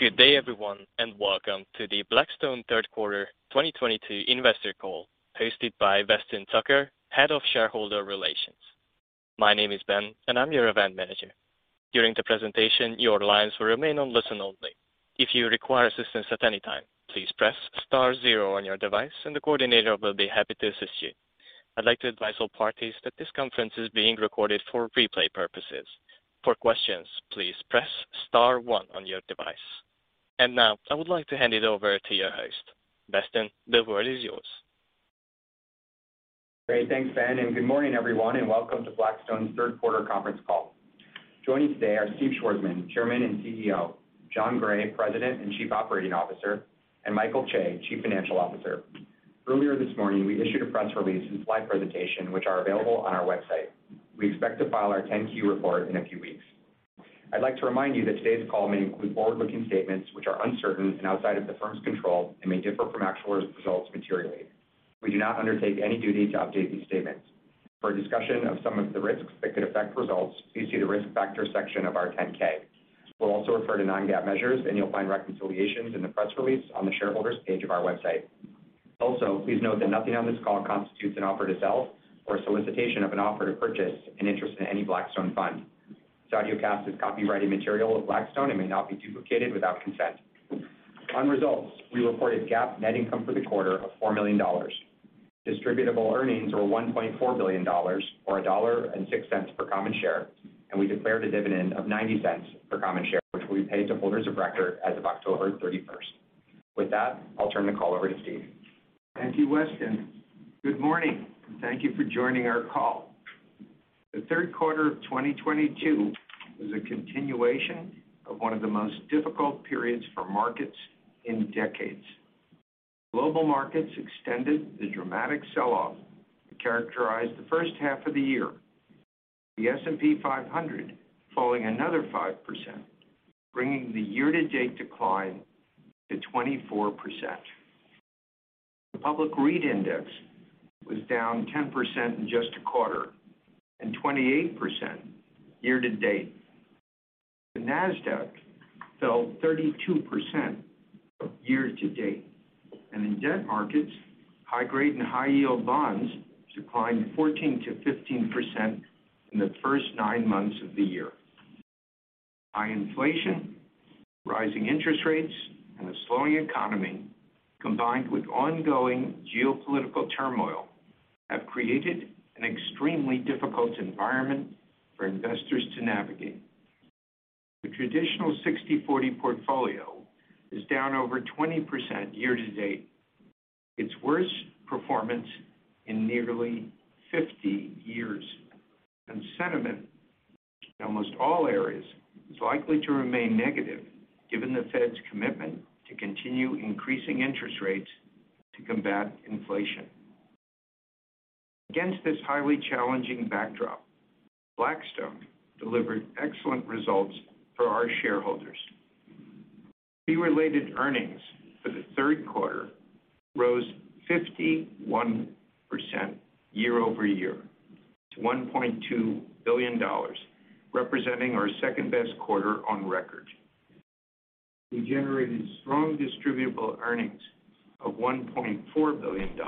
Good day, everyone, and welcome to the Blackstone Third Quarter 2022 Investor Call hosted by Weston Tucker, Head of Shareholder Relations. My name is Ben, and I'm your event manager. During the presentation, your lines will remain on listen only. If you require assistance at any time, please press star zero on your device and the coordinator will be happy to assist you. I'd like to advise all parties that this conference is being recorded for replay purposes. For questions, please press star one on your device. Now I would like to hand it over to your host. Weston, the word is yours. Great. Thanks, Ben, and good morning everyone, and welcome to Blackstone's third quarter conference call. Joining today are Steve Schwarzman, Chairman and CEO, Jon Gray, President and Chief Operating Officer, and Michael Chae, Chief Financial Officer. Earlier this morning, we issued a press release and slide presentation which are available on our website. We expect to file our Form 10-Q report in a few weeks. I'd like to remind you that today's call may include forward-looking statements which are uncertain and outside of the firm's control and may differ from actual results materially. We do not undertake any duty to update these statements. For a discussion of some of the risks that could affect results, please see the Risk Factors section of our Form 10-K. We'll also refer to non-GAAP measures, and you'll find reconciliations in the press release on the Shareholders page of our website. Also, please note that nothing on this call constitutes an offer to sell or solicitation of an offer to purchase an interest in any Blackstone fund. This audiocast is copyrighted material of Blackstone and may not be duplicated without consent. On results, we reported GAAP net income for the quarter of $4 million. Distributable Earnings were $1.4 billion, or $1.06 per common share, and we declared a dividend of $0.90 per common share, which will be paid to holders of record as of October 31st. With that, I'll turn the call over to Steve. Thank you, Weston. Good morning. Thank you for joining our call. The third quarter of 2022 was a continuation of one of the most difficult periods for markets in decades. Global markets extended the dramatic sell-off that characterized the first half of the year. The S&P 500 falling another 5%, bringing the year-to-date decline to 24%. The Public REIT Index was down 10% in just a quarter, and 28% year-to-date. The Nasdaq fell 32% year-to-date. In debt markets, high grade and high yield bonds declined 14%-15% in the first nine months of the year. High inflation, rising interest rates, and a slowing economy, combined with ongoing geopolitical turmoil, have created an extremely difficult environment for investors to navigate. The traditional 60/40 portfolio is down over 20% year-to-date, its worst performance in nearly 50 years. Sentiment in almost all areas is likely to remain negative given the Fed's commitment to continue increasing interest rates to combat inflation. Against this highly challenging backdrop, Blackstone delivered excellent results for our shareholders. Fee-related earnings for the third quarter rose 51% year-over-year to $1.2 billion, representing our second-best quarter on record. We generated strong distributable earnings of $1.4 billion,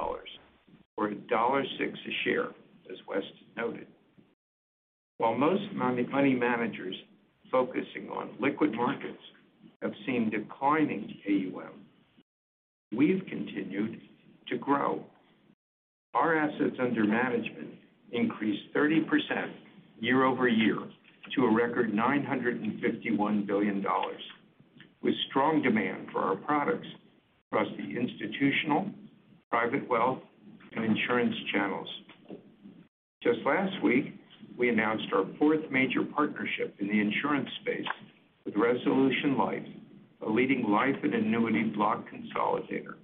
or $1.06 a share, as Weston noted. While most money managers focusing on liquid markets have seen declining AUM, we've continued to grow. Our assets under management increased 30% year-over-year to a record $951 billion, with strong demand for our products across the institutional, private wealth, and insurance channels. Just last week, we announced our fourth major partnership in the insurance space with Resolution Life, a leading life and annuity block consolidator,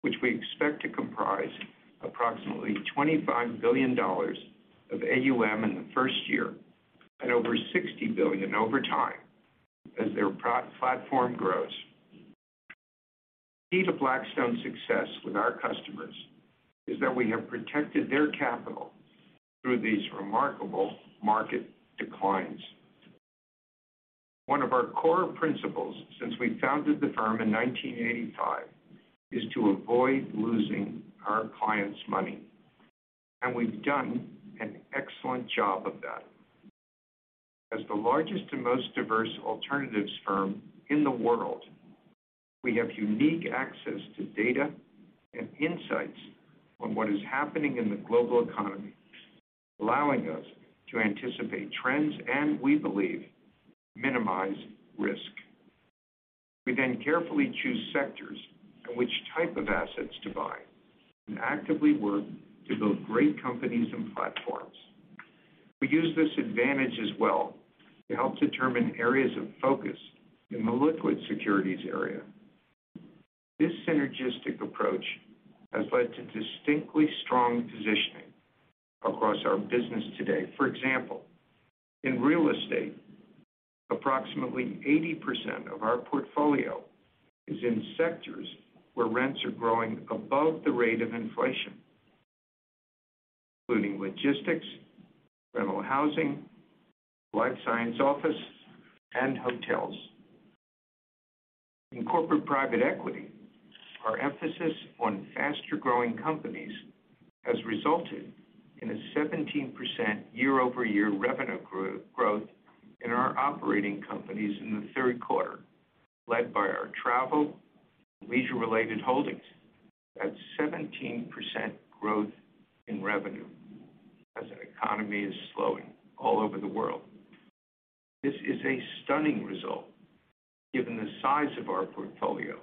which we expect to comprise approximately $25 billion of AUM in the first year and over $60 billion over time as their platform grows. Key to Blackstone's success with our customers is that we have protected their capital through these remarkable market declines. One of our core principles since we founded the firm in 1985 is to avoid losing our clients' money, and we've done an excellent job of that. As the largest and most diverse alternatives firm in the world, we have unique access to data and insights on what is happening in the global economy, allowing us to anticipate trends and we believe minimize risk. We carefully choose sectors and which type of assets to buy and actively work to build great companies and platforms. We use this advantage as well to help determine areas of focus in the liquid securities area. This synergistic approach has led to distinctly strong positioning across our business today. For example, in real estate, approximately 80% of our portfolio is in sectors where rents are growing above the rate of inflation, including logistics, rental housing, life science office, and hotels. In corporate private equity, our emphasis on faster-growing companies has resulted in a 17% year-over-year revenue growth in our operating companies in the third quarter, led by our travel, leisure-related holdings. That's 17% growth in revenue as an economy is slowing all over the world. This is a stunning result given the size of our portfolio,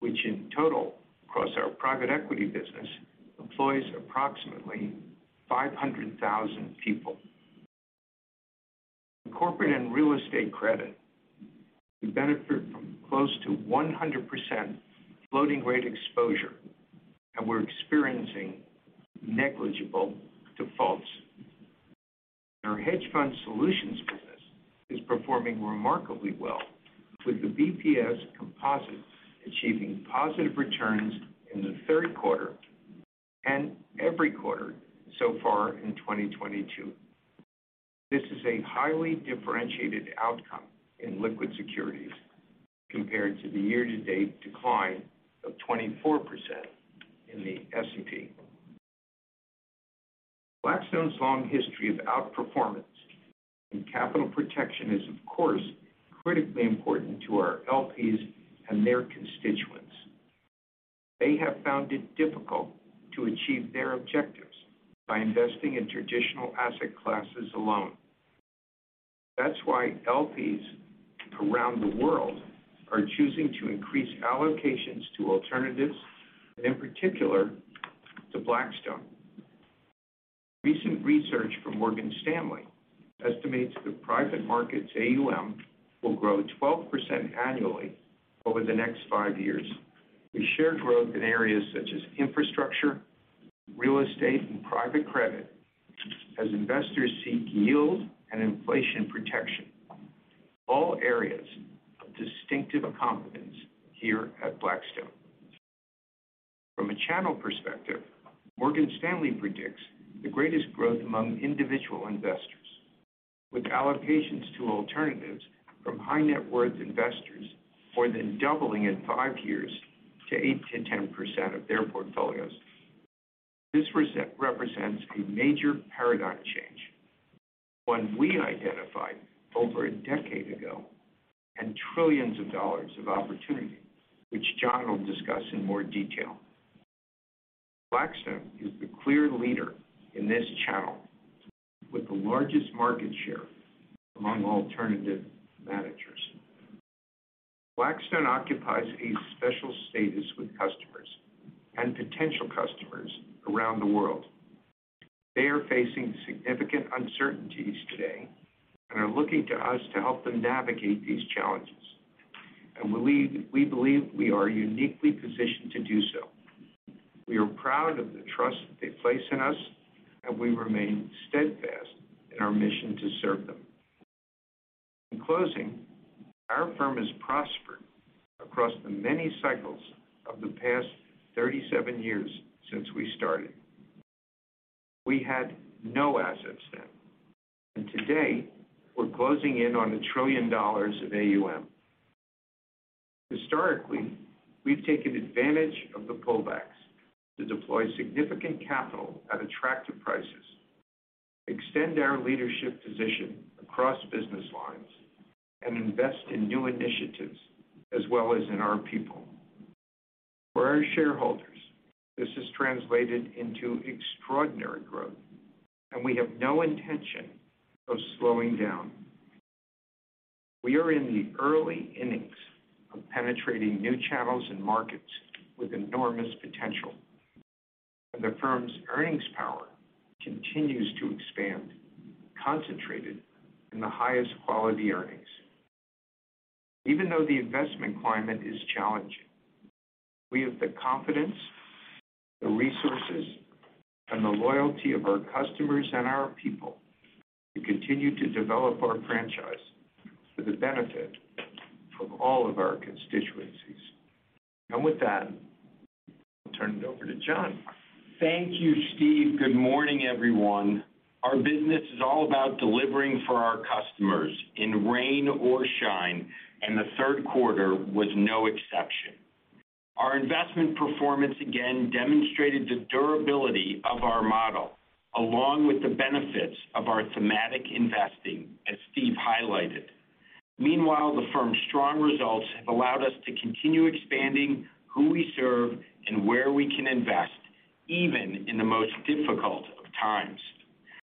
which in total, across our private equity business, employs approximately 500,000 people. In corporate and real estate credit, we benefit from close to 100% floating rate exposure, and we're experiencing negligible defaults. Our hedge fund solutions business is performing remarkably well, with the BPS Composite achieving positive returns in the third quarter and every quarter so far in 2022. This is a highly differentiated outcome in liquid securities compared to the year-to-date decline of 24% in the S&P. Blackstone's long history of outperformance and capital protection is, of course, critically important to our LPs and their constituents. They have found it difficult to achieve their objectives by investing in traditional asset classes alone. That's why LPs around the world are choosing to increase allocations to alternatives and in particular, to Blackstone. Recent research from Morgan Stanley estimates that private markets AUM will grow 12% annually over the next five years. We share growth in areas such as infrastructure, real estate, and private credit as investors seek yield and inflation protection. All areas of distinctive competence here at Blackstone. From a channel perspective, Morgan Stanley predicts the greatest growth among individual investors, with allocations to alternatives from high net worth investors more than doubling in five years to 8%-10% of their portfolios. This represents a major paradigm change, one we identified over a decade ago, and trillions of dollars of opportunity, which Jon will discuss in more detail. Blackstone is the clear leader in this channel with the largest market share among alternative managers. Blackstone occupies a special status with customers and potential customers around the world. They are facing significant uncertainties today and are looking to us to help them navigate these challenges. We believe we are uniquely positioned to do so. We are proud of the trust they place in us, and we remain steadfast in our mission to serve them. In closing, our firm has prospered across the many cycles of the past 37 years since we started. We had no assets then, and today we're closing in on $1 trillion of AUM. Historically, we've taken advantage of the pullbacks to deploy significant capital at attractive prices, extend our leadership position across business lines, and invest in new initiatives as well as in our people. For our shareholders, this has translated into extraordinary growth, and we have no intention of slowing down. We are in the early innings of penetrating new channels and markets with enormous potential, and the firm's earnings power continues to expand, concentrated in the highest quality earnings. Even though the investment climate is challenging, we have the confidence, the resources, and the loyalty of our customers and our people to continue to develop our franchise for the benefit of all of our constituencies. With that, I'll turn it over to Jon. Thank you, Steve. Good morning, everyone. Our business is all about delivering for our customers in rain or shine, and the third quarter was no exception. Our investment performance again demonstrated the durability of our model, along with the benefits of our thematic investing, as Steve highlighted. Meanwhile, the firm's strong results have allowed us to continue expanding who we serve and where we can invest, even in the most difficult of times.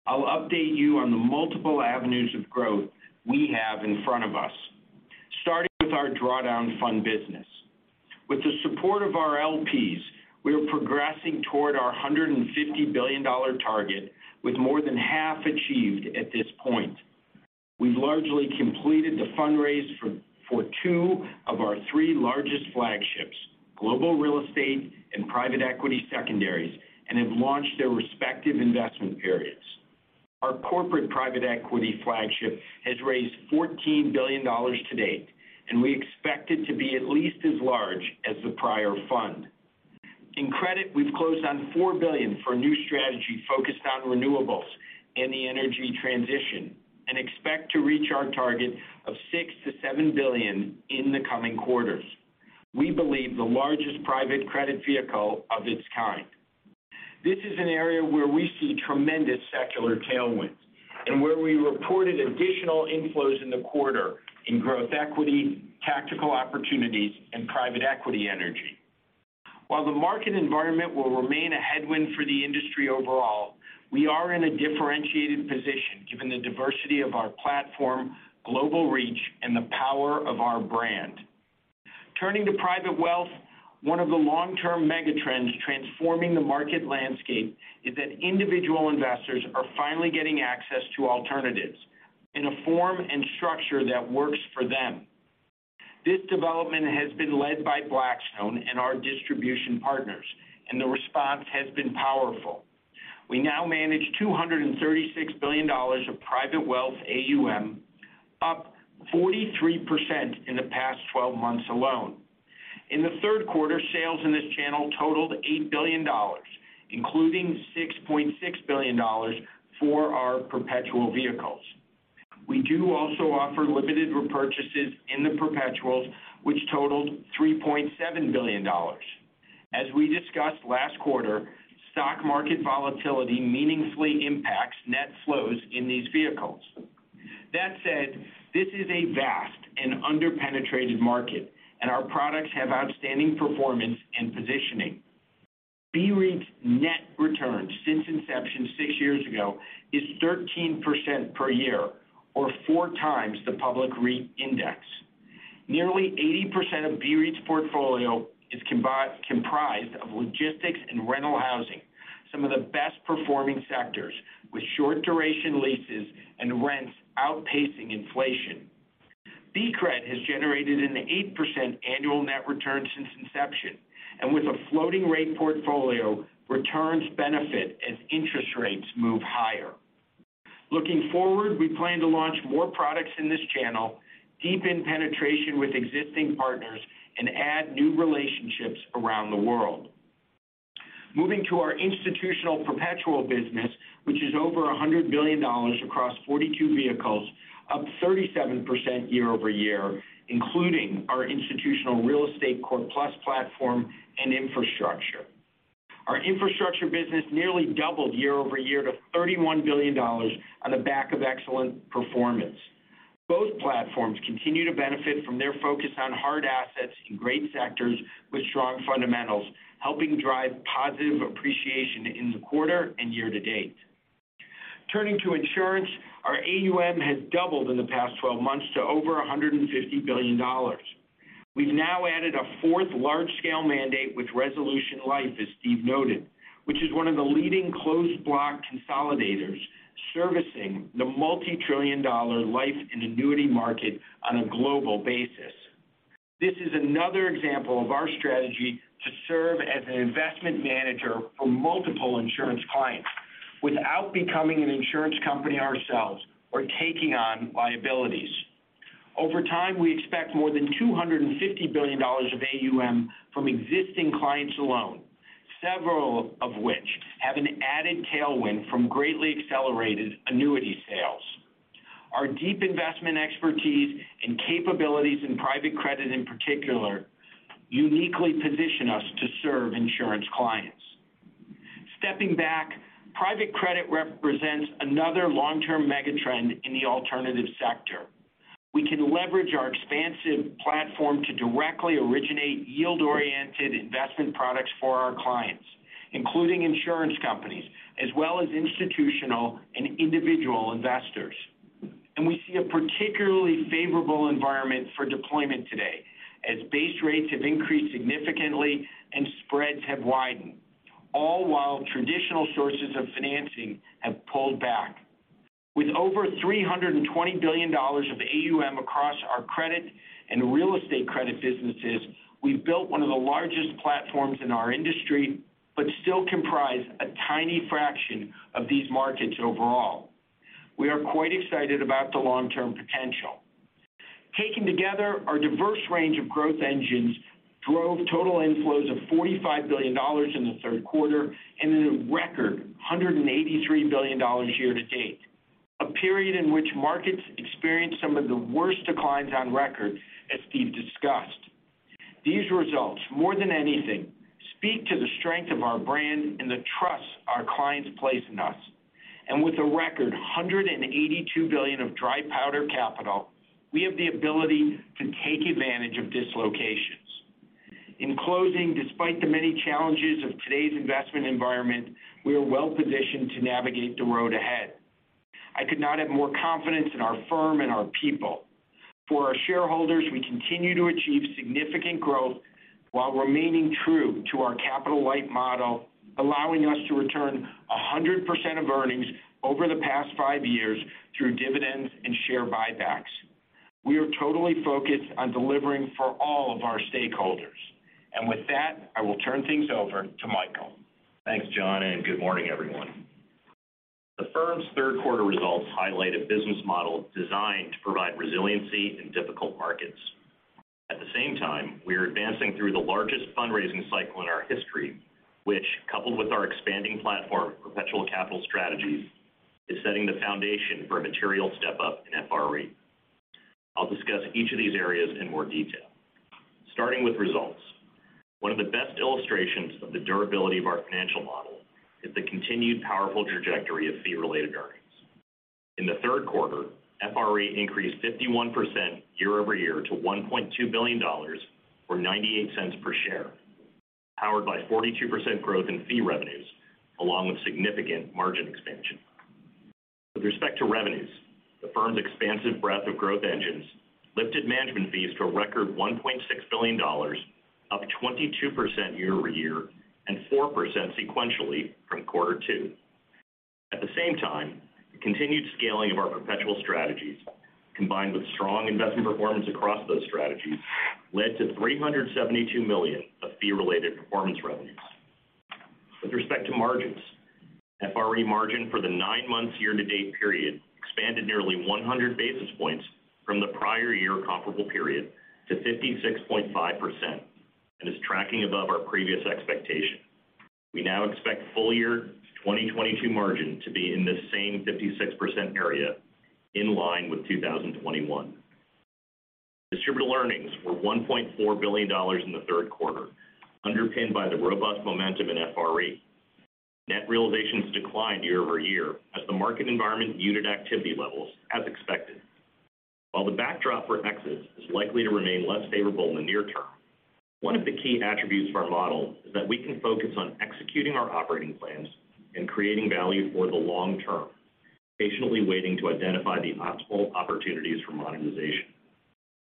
I'll update you on the multiple avenues of growth we have in front of us, starting with our drawdown fund business. With the support of our LPs, we are progressing toward our $150 billion target with more than half achieved at this point. We've largely completed the fundraise for two of our three largest flagships, global real estate and private equity secondaries, and have launched their respective investment periods. Our corporate private equity flagship has raised $14 billion to date, and we expect it to be at least as large as the prior fund. In credit, we've closed on $4 billion for a new strategy focused on renewables in the energy transition and expect to reach our target of $6 billion-$7 billion in the coming quarters. We believe the largest private credit vehicle of its kind. This is an area where we see tremendous secular tailwinds and where we reported additional inflows in the quarter in growth equity, tactical opportunities, and private equity energy. While the market environment will remain a headwind for the industry overall, we are in a differentiated position given the diversity of our platform, global reach, and the power of our brand. Turning to private wealth, one of the long-term mega trends transforming the market landscape is that individual investors are finally getting access to alternatives in a form and structure that works for them. This development has been led by Blackstone and our distribution partners, and the response has been powerful. We now manage $236 billion of private wealth AUM, up 43% in the past 12 months alone. In the third quarter, sales in this channel totaled $8 billion, including $6.6 billion for our perpetual vehicles. We do also offer limited repurchases in the perpetuals, which totaled $3.7 billion. As we discussed last quarter, stock market volatility meaningfully impacts net flows in these vehicles. That said, this is a vast and under-penetrated market, and our products have outstanding performance and positioning. BREIT's net return since inception six years ago is 13% per year or 4x the Public REIT Index. Nearly 80% of BREIT's portfolio is comprised of logistics and rental housing, some of the best-performing sectors with short-duration leases and rents outpacing inflation. BCRED has generated an 8% annual net return since inception, and with a floating rate portfolio, returns benefit as interest rates move higher. Looking forward, we plan to launch more products in this channel, deepen penetration with existing partners, and add new relationships around the world. Moving to our institutional perpetual business, which is over $100 billion across 42 vehicles, up 37% year-over-year, including our institutional real estate core plus platform and infrastructure. Our infrastructure business nearly doubled year-over-year to $31 billion on the back of excellent performance. Both platforms continue to benefit from their focus on hard assets in great sectors with strong fundamentals, helping drive positive appreciation in the quarter and year to date. Turning to insurance, our AUM has doubled in the past 12 months to over $150 billion. We've now added a fourth large-scale mandate with Resolution Life, as Steve noted, which is one of the leading closed block consolidators servicing the multi-trillion-dollar life and annuity market on a global basis. This is another example of our strategy to serve as an investment manager for multiple insurance clients without becoming an insurance company ourselves or taking on liabilities. Over time, we expect more than $250 billion of AUM from existing clients alone, several of which have an added tailwind from greatly accelerated annuity sales. Our deep investment expertise and capabilities in private credit in particular, uniquely position us to serve insurance clients. Stepping back, private credit represents another long-term mega trend in the alternative sector. We can leverage our expansive platform to directly originate yield-oriented investment products for our clients, including insurance companies as well as institutional and individual investors. We see a particularly favorable environment for deployment today as base rates have increased significantly and spreads have widened, all while traditional sources of financing have pulled back. With over $320 billion of AUM across our credit and real estate credit businesses, we've built one of the largest platforms in our industry but still comprise a tiny fraction of these markets overall. We are quite excited about the long-term potential. Taking together our diverse range of growth engines drove total inflows of $45 billion in the third quarter and then a record $183 billion year to date, a period in which markets experienced some of the worst declines on record, as Steve discussed. These results, more than anything, speak to the strength of our brand and the trust our clients place in us. With a record $182 billion of dry powder capital, we have the ability to take advantage of dislocations. In closing, despite the many challenges of today's investment environment, we are well-positioned to navigate the road ahead. I could not have more confidence in our firm and our people. For our shareholders, we continue to achieve significant growth while remaining true to our capital light model, allowing us to return 100% of earnings over the past five years through dividends and share buybacks. We are totally focused on delivering for all of our stakeholders. With that, I will turn things over to Michael. Thanks, Jon, and good morning, everyone. The firm's third quarter results highlight a business model designed to provide resiliency in difficult markets. At the same time, we are advancing through the largest fundraising cycle in our history, which, coupled with our expanding platform of perpetual capital strategies, is setting the foundation for a material step up in FRE. I'll discuss each of these areas in more detail. Starting with results. One of the best illustrations of the durability of our financial model is the continued powerful trajectory of fee-related earnings. In the third quarter, FRE increased 51% year-over-year to $1.2 billion, or $0.98 per share, powered by 42% growth in fee revenues, along with significant margin expansion. With respect to revenues, the firm's expansive breadth of growth engines lifted management fees to a record $1.6 billion, up 22% year-over-year and 4% sequentially from quarter two. At the same time, the continued scaling of our perpetual strategies, combined with strong investment performance across those strategies, led to $372 million of fee-related performance revenues. With respect to margins, FRE margin for the nine months year-to-date period expanded nearly 100 basis points from the prior year comparable period to 56.5% and is tracking above our previous expectation. We now expect full year 2022 margin to be in the same 56% area, in line with 2021. Distributed earnings were $1.4 billion in the third quarter, underpinned by the robust momentum in FRE. Net realizations declined year-over-year as the market environment muted activity levels as expected. While the backdrop for exits is likely to remain less favorable in the near term, one of the key attributes of our model is that we can focus on executing our operating plans and creating value for the long term, patiently waiting to identify the optimal opportunities for monetization.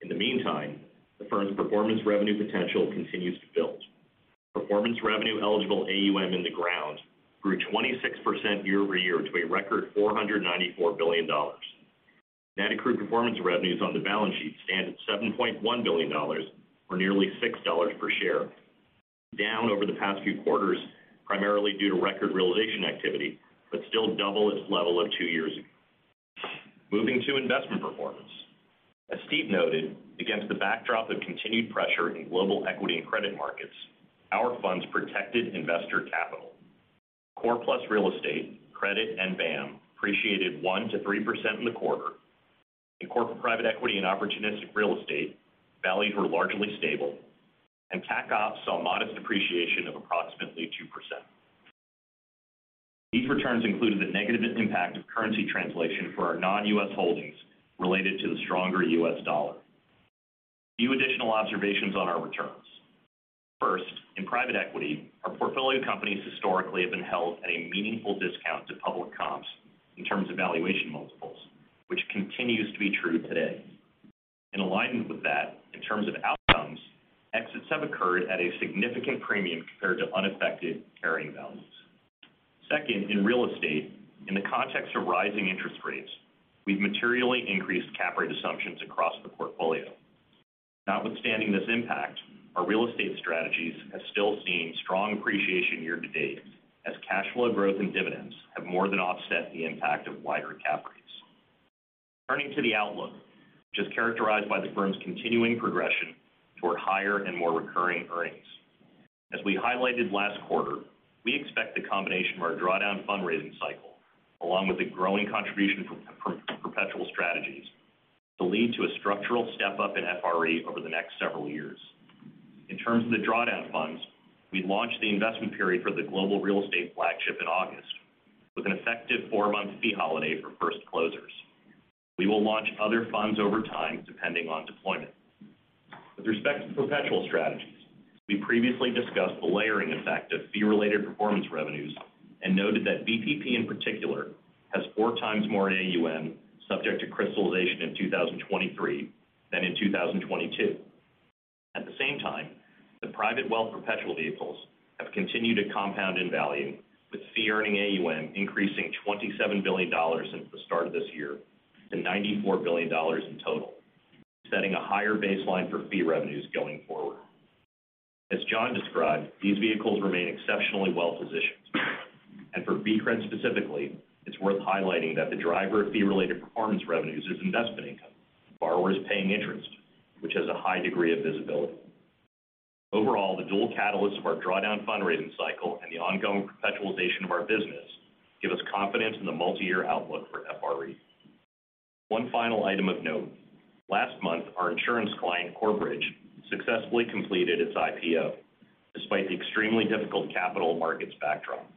In the meantime, the firm's performance revenue potential continues to build. Performance revenue eligible AUM in the ground grew 26% year-over-year to a record $494 billion. Net accrued performance revenues on the balance sheet stand at $7.1 billion, or nearly $6 per share, down over the past few quarters, primarily due to record realization activity, but still double its level of two years ago. Moving to investment performance. As Steve noted, against the backdrop of continued pressure in global equity and credit markets, our funds protected investor capital. Core-plus real estate, credit, and BAAM appreciated 1%-3% in the quarter. In corporate private equity and opportunistic real estate, values were largely stable, and Tac Opps saw modest appreciation of approximately 2%. These returns included the negative impact of currency translation for our non-U.S. holdings related to the stronger U.S. dollar. A few additional observations on our returns. First, in private equity, our portfolio companies historically have been held at a meaningful discount to public comps in terms of valuation multiples, which continues to be true today. In alignment with that, in terms of outcomes, exits have occurred at a significant premium compared to unaffected carrying values. Second, in real estate, in the context of rising interest rates, we've materially increased cap rate assumptions across the portfolio. Notwithstanding this impact, our real estate strategies have still seen strong appreciation year to date as cash flow growth and dividends have more than offset the impact of wider cap rates. Turning to the outlook, which is characterized by the firm's continuing progression toward higher and more recurring earnings. As we highlighted last quarter, we expect the combination of our drawdown fundraising cycle, along with the growing contribution from perpetual strategies to lead to a structural step-up in FRE over the next several years. In terms of the drawdown funds, we launched the investment period for the global real estate flagship in August with an effective 4-month fee holiday for first closers. We will launch other funds over time depending on deployment. With respect to perpetual strategies, we previously discussed the layering effect of fee-related performance revenues and noted that BPP in particular has 4x more AUM subject to crystallization in 2023 than in 2022. At the same time, the private wealth perpetual vehicles have continued to compound in value with fee earning AUM increasing $27 billion since the start of this year to $94 billion in total, setting a higher baseline for fee revenues going forward. As Jon described, these vehicles remain exceptionally well-positioned. For BCRED specifically, it's worth highlighting that the driver of fee-related performance revenues is investment income, borrowers paying interest, which has a high degree of visibility. Overall, the dual catalyst of our drawdown fundraising cycle and the ongoing perpetualization of our business give us confidence in the multi-year outlook for FRE. One final item of note. Last month, our insurance client, Corebridge, successfully completed its IPO despite the extremely difficult capital markets backdrop.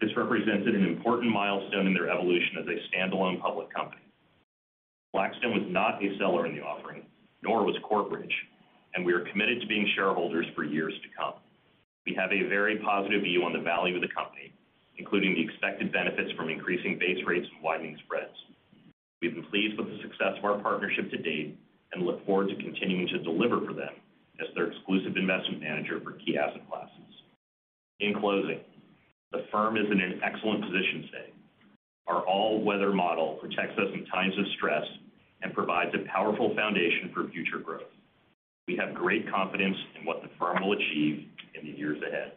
This represented an important milestone in their evolution as a standalone public company. Blackstone was not a seller in the offering, nor was Corebridge, and we are committed to being shareholders for years to come. We have a very positive view on the value of the company, including the expected benefits from increasing base rates and widening spreads. We've been pleased with the success of our partnership to date and look forward to continuing to deliver for them as their exclusive investment manager for key asset classes. In closing, the firm is in an excellent position today. Our all-weather model protects us in times of stress and provides a powerful foundation for future growth. We have great confidence in what the firm will achieve in the years ahead.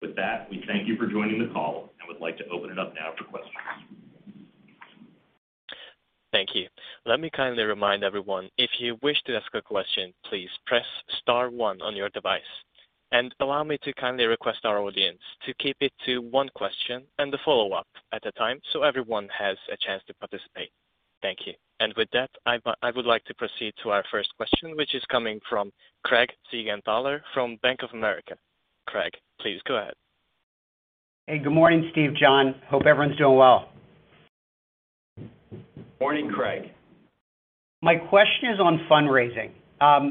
With that, we thank you for joining the call and would like to open it up now for questions. Thank you. Let me kindly remind everyone, if you wish to ask a question, please press star one on your device. Allow me to kindly request our audience to keep it to one question and a follow-up at a time so everyone has a chance to participate. Thank you. With that, I would like to proceed to our first question, which is coming from Craig Siegenthaler from Bank of America. Craig, please go ahead. Hey, good morning, Steve, Jon. Hope everyone's doing well. Morning, Craig. My question is on fundraising.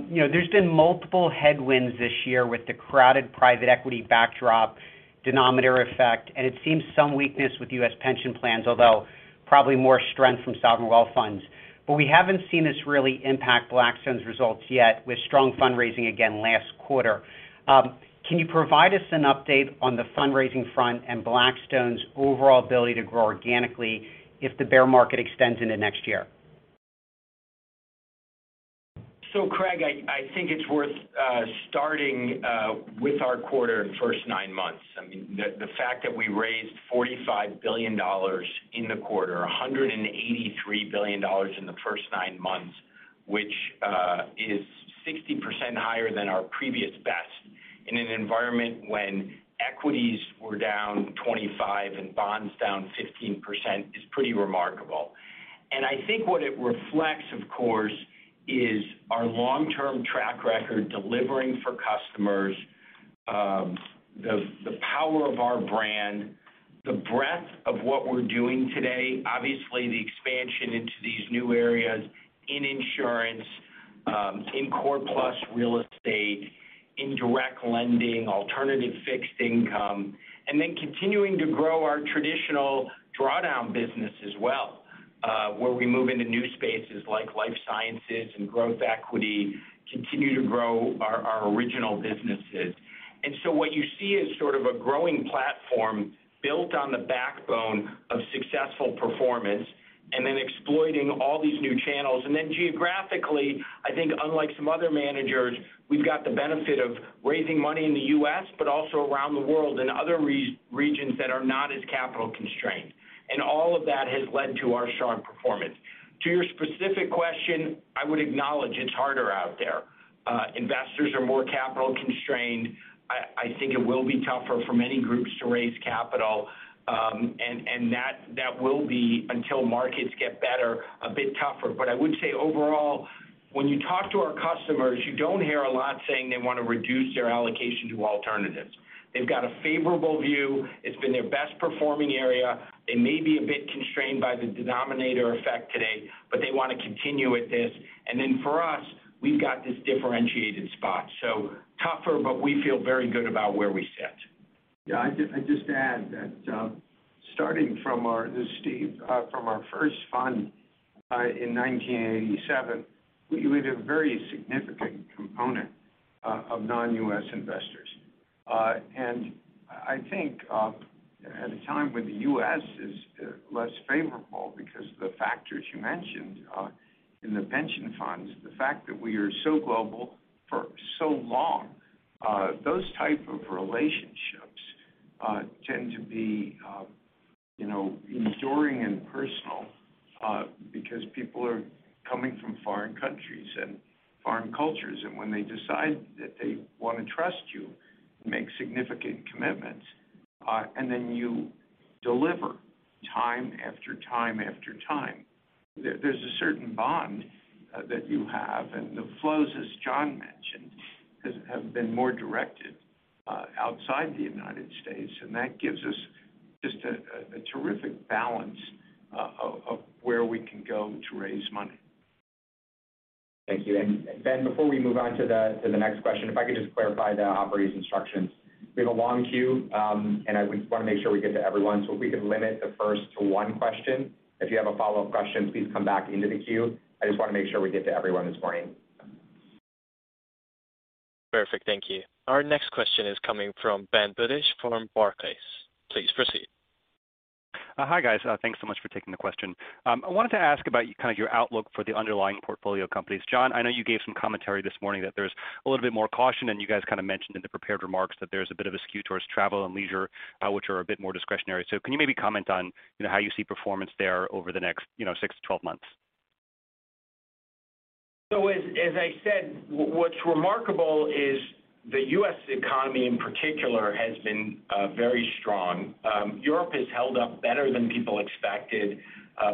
You know, there's been multiple headwinds this year with the crowded private equity backdrop denominator effect, and it seems some weakness with U.S. pension plans, although probably more strength from sovereign wealth funds. We haven't seen this really impact Blackstone's results yet with strong fundraising again last quarter. Can you provide us an update on the fundraising front and Blackstone's overall ability to grow organically if the bear market extends into next year? Craig, I think it's worth starting with our first quarter, first nine months. I mean, the fact that we raised $45 billion in the quarter, $183 billion in the first nine months, which is 60% higher than our previous best in an environment when equities were down 25% and bonds down 15% is pretty remarkable. I think what it reflects, of course, is our long-term track record delivering for customers, the power of our brand, the breadth of what we're doing today, obviously the expansion into these new areas in insurance, in core plus real estate, in direct lending, alternative fixed income, and then continuing to grow our traditional drawdown business as well, where we move into new spaces like life sciences and growth equity, continue to grow our original businesses. What you see is sort of a growing platform built on the backbone of successful performance and then exploiting all these new channels. Then geographically, I think unlike some other managers, we've got the benefit of raising money in the U.S., but also around the world in other regions that are not as capital constrained. All of that has led to our sharp performance. To your specific question, I would acknowledge it's harder out there. Investors are more capital constrained. I think it will be tougher for many groups to raise capital, and that will be until markets get better, a bit tougher. I would say overall, when you talk to our customers, you don't hear a lot saying they want to reduce their allocation to alternatives. They've got a favorable view. It's been their best performing area. They may be a bit constrained by the denominator effect today, but they want to continue with this. For us, we've got this differentiated spot, so tougher, but we feel very good about where we sit. Yeah. I just add that, from our first fund, in 1987, we made a very significant component of non-U.S. investors. I think, at a time when the U.S. is less favorable because the factors you mentioned, in the pension funds, the fact that we are so global for so long, those type of relationships tend to be, you know, enduring and personal, because people are coming from foreign countries and foreign cultures. When they decide that they want to trust you make significant commitments, and then you deliver time after time after time, there's a certain bond that you have. The flows, as Jon mentioned, have been more directed outside the United States. That gives us just a terrific balance of where we can go to raise money. Thank you. Ben, before we move on to the next question, if I could just clarify the operator's instructions. We have a long queue, and we want to make sure we get to everyone. If we could limit the first to one question. If you have a follow-up question, please come back into the queue. I just want to make sure we get to everyone this morning. Perfect. Thank you. Our next question is coming from Benjamin Budish from Barclays. Please proceed. Hi guys. Thanks so much for taking the question. I wanted to ask about kind of your outlook for the underlying portfolio companies. Jon, I know you gave some commentary this morning that there's a little bit more caution, and you guys kind of mentioned in the prepared remarks that there's a bit of a skew towards travel and leisure, which are a bit more discretionary. Can you maybe comment on, you know, how you see performance there over the next, you know, 6-12 months? As I said, what's remarkable is the U.S. economy in particular has been very strong. Europe has held up better than people expected.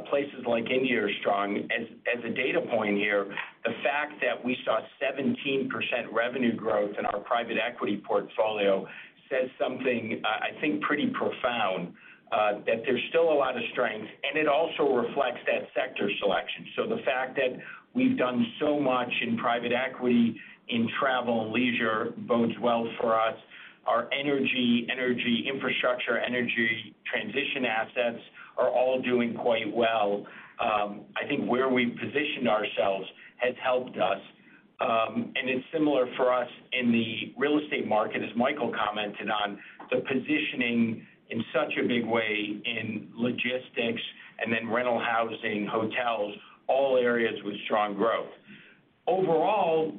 Places like India are strong. As a data point here, the fact that we saw 17% revenue growth in our private equity portfolio says something, I think pretty profound, that there's still a lot of strength, and it also reflects that sector selection. The fact that we've done so much in private equity in travel and leisure bodes well for us. Our energy infrastructure, energy transition assets are all doing quite well. I think where we've positioned ourselves has helped us. It's similar for us in the real estate market, as Michael commented on the positioning in such a big way in logistics and then rental housing, hotels, all areas with strong growth. Overall,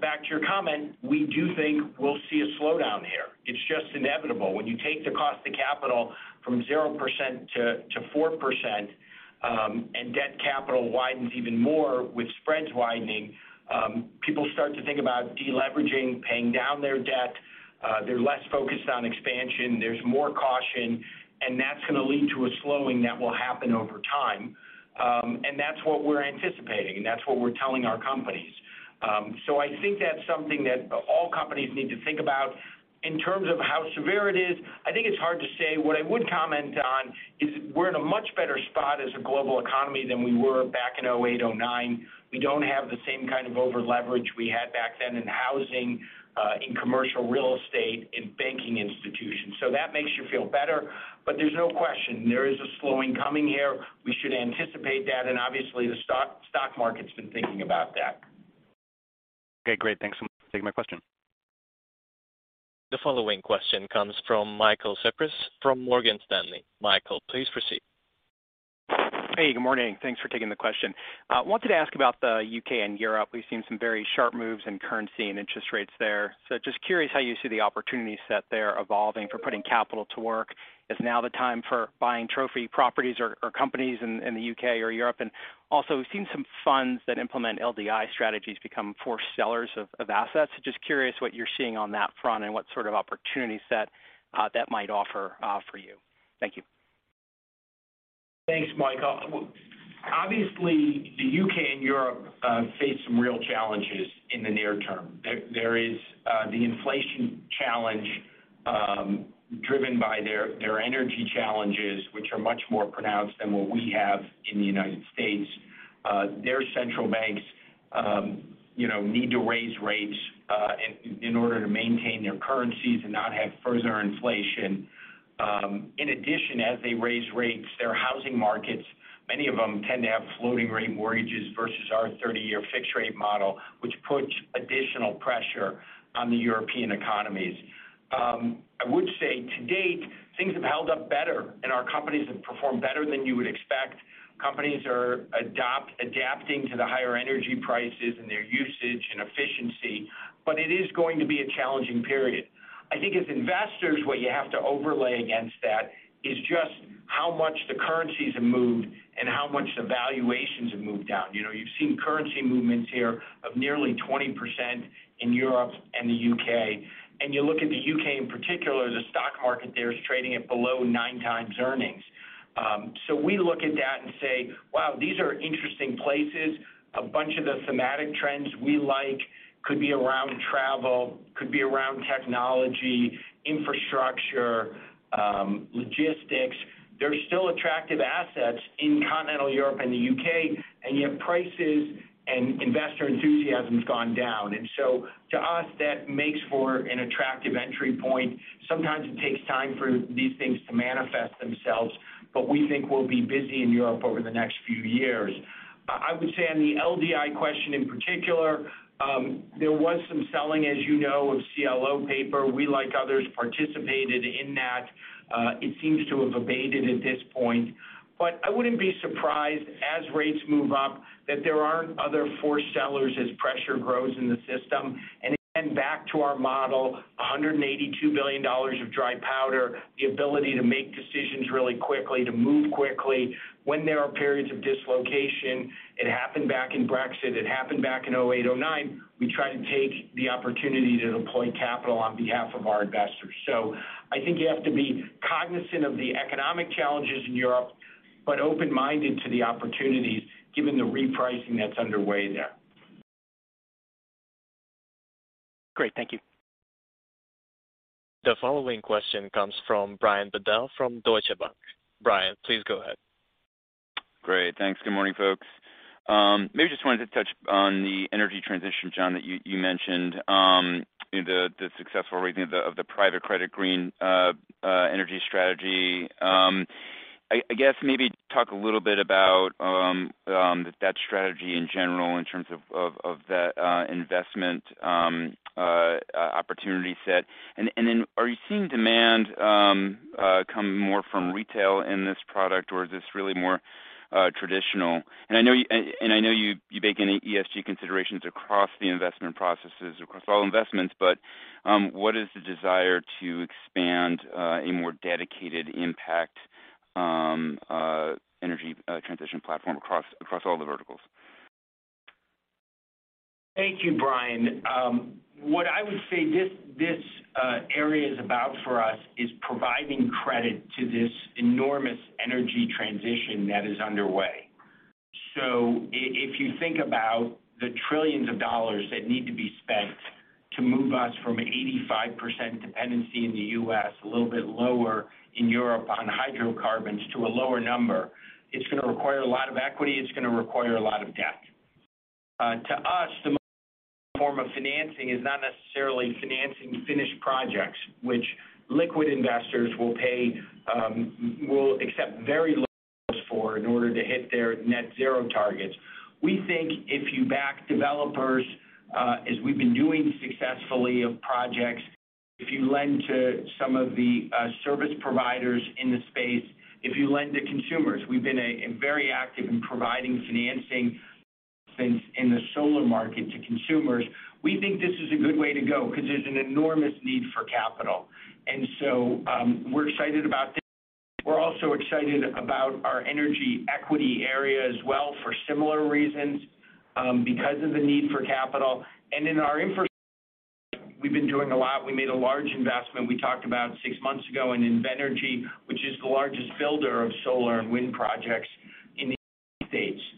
back to your comment, we do think we'll see a slowdown here. It's just inevitable. When you take the cost of capital from 0%-4%, and debt capital widens even more with spreads widening, people start to think about deleveraging, paying down their debt, they're less focused on expansion, there's more caution, and that's gonna lead to a slowing that will happen over time. That's what we're anticipating, and that's what we're telling our companies. I think that's something that all companies need to think about. In terms of how severe it is, I think it's hard to say. What I would comment on is we're in a much better spot as a global economy than we were back in 2008, 2009. We don't have the same kind of over-leverage we had back then in housing, in commercial real estate, in banking institutions. That makes you feel better, but there's no question, there is a slowing coming here. We should anticipate that, and obviously, the stock market's been thinking about that. Okay, great. Thanks so much for taking my question. The following question comes from Michael Cyprys from Morgan Stanley. Michael, please proceed. Hey, good morning. Thanks for taking the question. I wanted to ask about the U.K. and Europe. We've seen some very sharp moves in currency and interest rates there. Just curious how you see the opportunity set there evolving for putting capital to work. Is now the time for buying trophy properties or companies in the U.K. or Europe? Also, we've seen some funds that implement LDI strategies become core sellers of assets. Just curious what you're seeing on that front and what sort of opportunity set that might offer for you. Thank you. Thanks, Michael. Well, obviously, the U.K. and Europe face some real challenges in the near term. There is the inflation challenge, driven by their energy challenges, which are much more pronounced than what we have in the United States. Their central banks, you know, need to raise rates in order to maintain their currencies and not have further inflation. In addition, as they raise rates, their housing markets, many of them tend to have floating rate mortgages versus our 30-year fixed rate model, which puts additional pressure on the European economies. I would say to date, things have held up better, and our companies have performed better than you would expect. Companies are adapting to the higher energy prices and their usage and efficiency, but it is going to be a challenging period. I think as investors, what you have to overlay against that is just how much the currencies have moved and how much the valuations have moved down. You know, you've seen currency movements here of nearly 20% in Europe and the U.K. You look at the U.K. in particular, the stock market there is trading at below nine times earnings. So we look at that and say, "Wow, these are interesting places." A bunch of the thematic trends we like could be around travel, could be around technology, infrastructure, logistics. There are still attractive assets in continental Europe and the U.K., and yet prices and investor enthusiasm's gone down. To us, that makes for an attractive entry point. Sometimes it takes time for these things to manifest themselves, but we think we'll be busy in Europe over the next few years. I would say on the LDI question in particular, there was some selling, as you know, of CLO paper. We, like others, participated in that. It seems to have abated at this point. I wouldn't be surprised as rates move up that there aren't other forced sellers as pressure grows in the system. Back to our model, $182 billion of dry powder, the ability to make decisions really quickly, to move quickly when there are periods of dislocation. It happened back in Brexit. It happened back in 2008, 2009. We try to take the opportunity to deploy capital on behalf of our investors. I think you have to be cognizant of the economic challenges in Europe, but open-minded to the opportunities given the repricing that's underway there. Great. Thank you. The following question comes from Brian Bedell from Deutsche Bank. Brian, please go ahead. Great. Thanks. Good morning, folks. Maybe just wanted to touch on the energy transition, Jon, that you mentioned, you know, the successful raising of the private credit green energy strategy. I guess maybe talk a little bit about that strategy in general in terms of that investment opportunity set. Then are you seeing demand come more from retail in this product, or is this really more traditional? I know you make ESG considerations across the investment processes, across all investments, but what is the desire to expand a more dedicated impact energy transition platform across all the verticals? Thank you, Brian. What I would say this area is about for us is providing credit to this enormous energy transition that is underway. If you think about the trillions of dollars that need to be spent to move us from 85% dependency in the U.S., a little bit lower in Europe on hydrocarbons to a lower number, it's gonna require a lot of equity, it's gonna require a lot of debt. To us, the form of financing is not necessarily financing finished projects, which liquid investors will accept very low yields for in order to hit their net zero targets. We think if you back developers, as we've been doing successfully of projects, if you lend to some of the service providers in the space, if you lend to consumers. We've been very active in providing financing in the solar market to consumers. We think this is a good way to go because there's an enormous need for capital. We're excited about this. We're also excited about our energy equity area as well for similar reasons, because of the need for capital. In our infrastructure, we've been doing a lot. We made a large investment we talked about six months ago in Invenergy, which is the largest builder of solar and wind projects in the United States.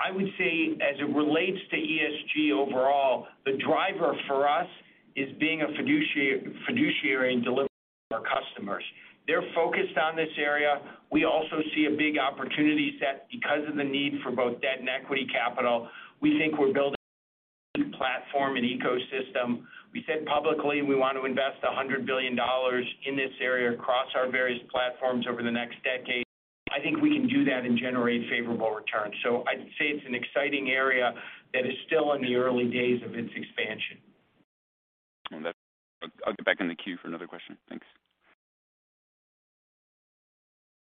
I would say, as it relates to ESG overall, the driver for us is being a fiduciary and delivering for our customers. They're focused on this area. We also see a big opportunity set because of the need for both debt and equity capital. We think we're building a good platform and ecosystem. We said publicly we want to invest $100 billion in this area across our various platforms over the next decade. I think we can do that and generate favorable returns. I'd say it's an exciting area that is still in the early days of its expansion. I'll get back in the queue for another question. Thanks.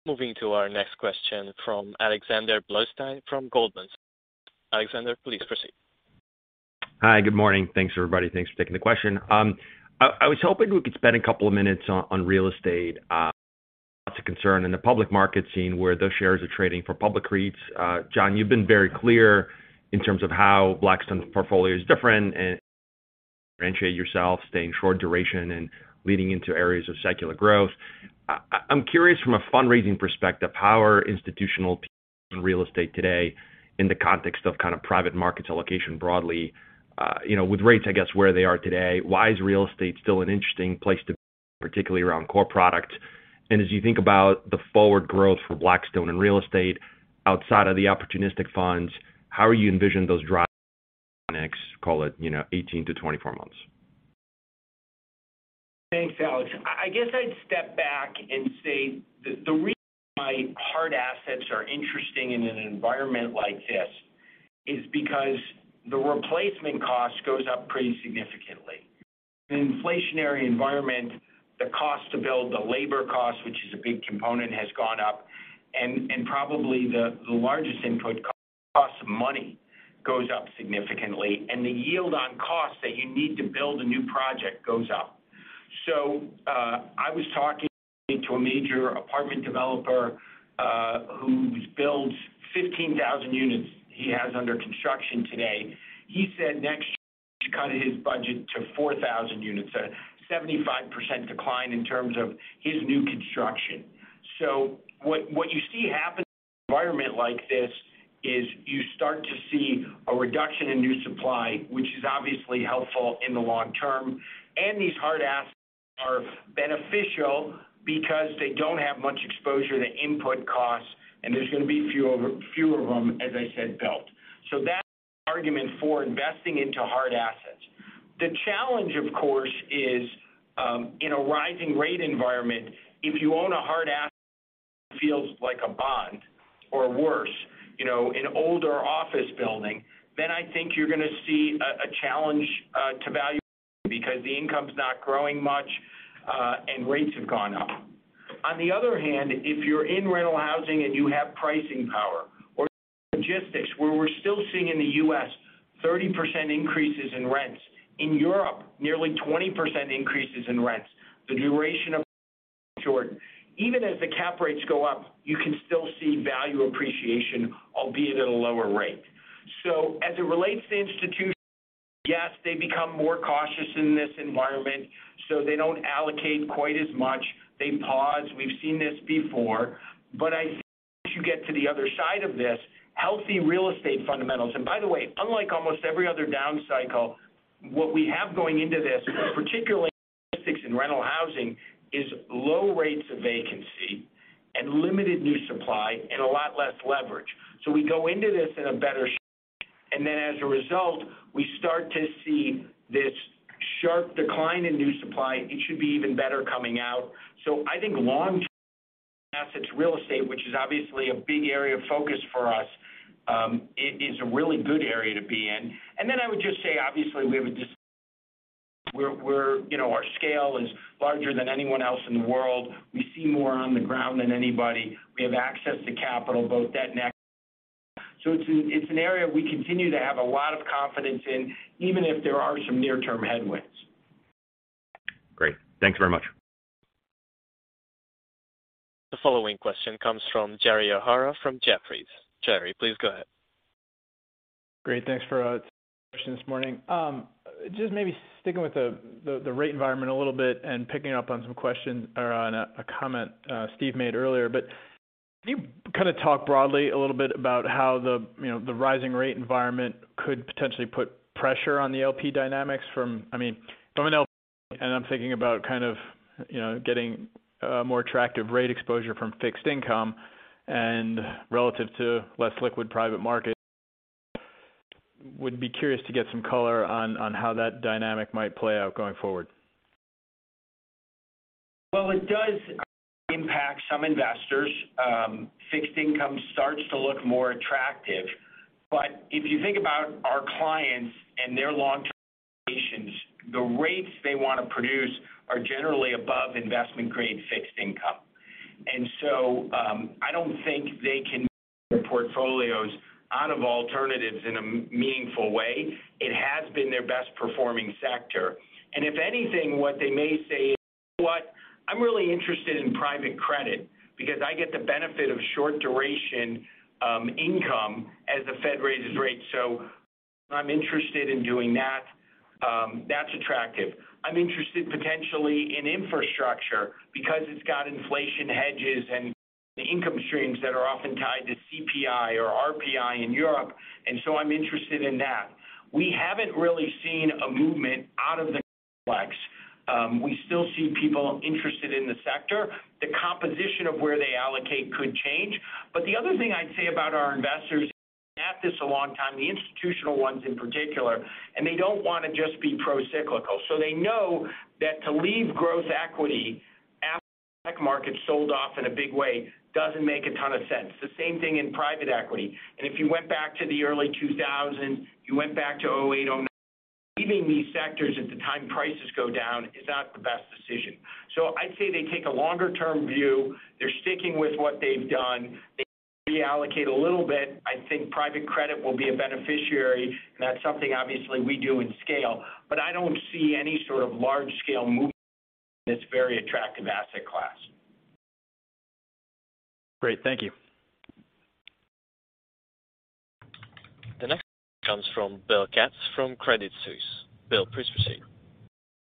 Moving to our next question from Alexander Blostein, from Goldman Sachs. Alexander, please proceed. Hi, good morning. Thanks, everybody. Thanks for taking the question. I was hoping we could spend a couple of minutes on real estate. Lots of concern in the public market scene where those shares are trading for public REITs. Jon, you've been very clear in terms of how Blackstone portfolio is different and differentiate yourself, staying short duration, and leading into areas of secular growth. I'm curious from a fundraising perspective, how are institutional real estate today in the context of kind of private markets allocation broadly? You know, with rates, I guess, where they are today, why is real estate still an interesting place to be, particularly around core product? As you think about the forward growth for Blackstone and real estate outside of the opportunistic funds, how are you envision those drivers in the next, call it 18-24 months? Thanks, Alex. I guess I'd step back and say the reason why hard assets are interesting in an environment like this is because the replacement cost goes up pretty significantly. In an inflationary environment, the cost to build, the labor cost, which is a big component, has gone up. Probably the largest input costs of money goes up significantly, and the yield on cost that you need to build a new project goes up. I was talking to a major apartment developer who builds 15,000 units he has under construction today. He said next year, he cut his budget to 4,000 units, a 75% decline in terms of his new construction. What you see happen in an environment like this is you start to see a reduction in new supply, which is obviously helpful in the long term. These hard assets are beneficial because they don't have much exposure to input costs, and there's going to be fewer of them, as I said, built. That's the argument for investing into hard assets. The challenge, of course, is in a rising rate environment, if you own a hard asset, it feels like a bond or worse, you know, an older office building, then I think you're going to see a challenge to valuation because the income is not growing much, and rates have gone up. On the other hand, if you're in rental housing and you have pricing power or logistics, where we're still seeing in the U.S. 30% increases in rents. In Europe, nearly 20% increases in rents. The duration is short. Even as the cap rates go up, you can still see value appreciation, albeit at a lower rate. As it relates to institutions, yes, they become more cautious in this environment, so they don't allocate quite as much. They pause. We've seen this before. I think once you get to the other side of this, healthy real estate fundamentals. By the way, unlike almost every other down cycle, what we have going into this, particularly in rental housing, is low rates of vacancy and limited new supply and a lot less leverage. We go into this in a better shape. Then as a result, we start to see this sharp decline in new supply. It should be even better coming out. I think long-term assets, real estate, which is obviously a big area of focus for us, is a really good area to be in. I would just say, obviously, we have a distinction. You know, our scale is larger than anyone else in the world. We see more on the ground than anybody. We have access to capital, both debt and equity. It's an area we continue to have a lot of confidence in, even if there are some near-term headwinds. Great. Thanks very much. The following question comes from Gerry O'Hara from Jefferies. Gerry, please go ahead. Great. Thanks for taking the question this morning. Just maybe sticking with the rate environment a little bit and picking up on some questions or on a comment Steve made earlier. Can you talk broadly a little bit about how the, you know, the rising rate environment could potentially put pressure on the LP dynamics from, I mean, from an LP, and I'm thinking about kind of, you know, getting a more attractive rate exposure from fixed income and relative to less liquid private markets. Would be curious to get some color on how that dynamic might play out going forward. Well, it does impact some investors. Fixed income starts to look more attractive. If you think about our clients and their long-term expectations, the rates they want to produce are generally above investment-grade fixed income. I don't think they can move their portfolios out of alternatives in a meaningful way. It has been their best performing sector. If anything, what they may say is, "You know what? I'm really interested in private credit because I get the benefit of short duration income as the Fed raises rates. I'm interested in doing that. That's attractive. I'm interested potentially in infrastructure because it's got inflation hedges and income streams that are often tied to CPI or RPI in Europe, and so I'm interested in that." We haven't really seen a movement out of the complex. We still see people interested in the sector. The composition of where they allocate could change. The other thing I'd say about our investors is they've been at this a long time, the institutional ones in particular, and they don't wanna just be pro-cyclical. They know that to leave growth equity after the tech market sold off in a big way doesn't make a ton of sense. The same thing in private equity. If you went back to the early 2000, you went back to 2008, 2009, leaving these sectors at the time prices go down is not the best decision. I'd say they take a longer term view. They're sticking with what they've done. They may reallocate a little bit. I think private credit will be a beneficiary, and that's something obviously we do at scale. I don't see any sort of large scale movement in this very attractive asset class. Great. Thank you. The next question comes from Bill Katz from Credit Suisse. Bill, please proceed.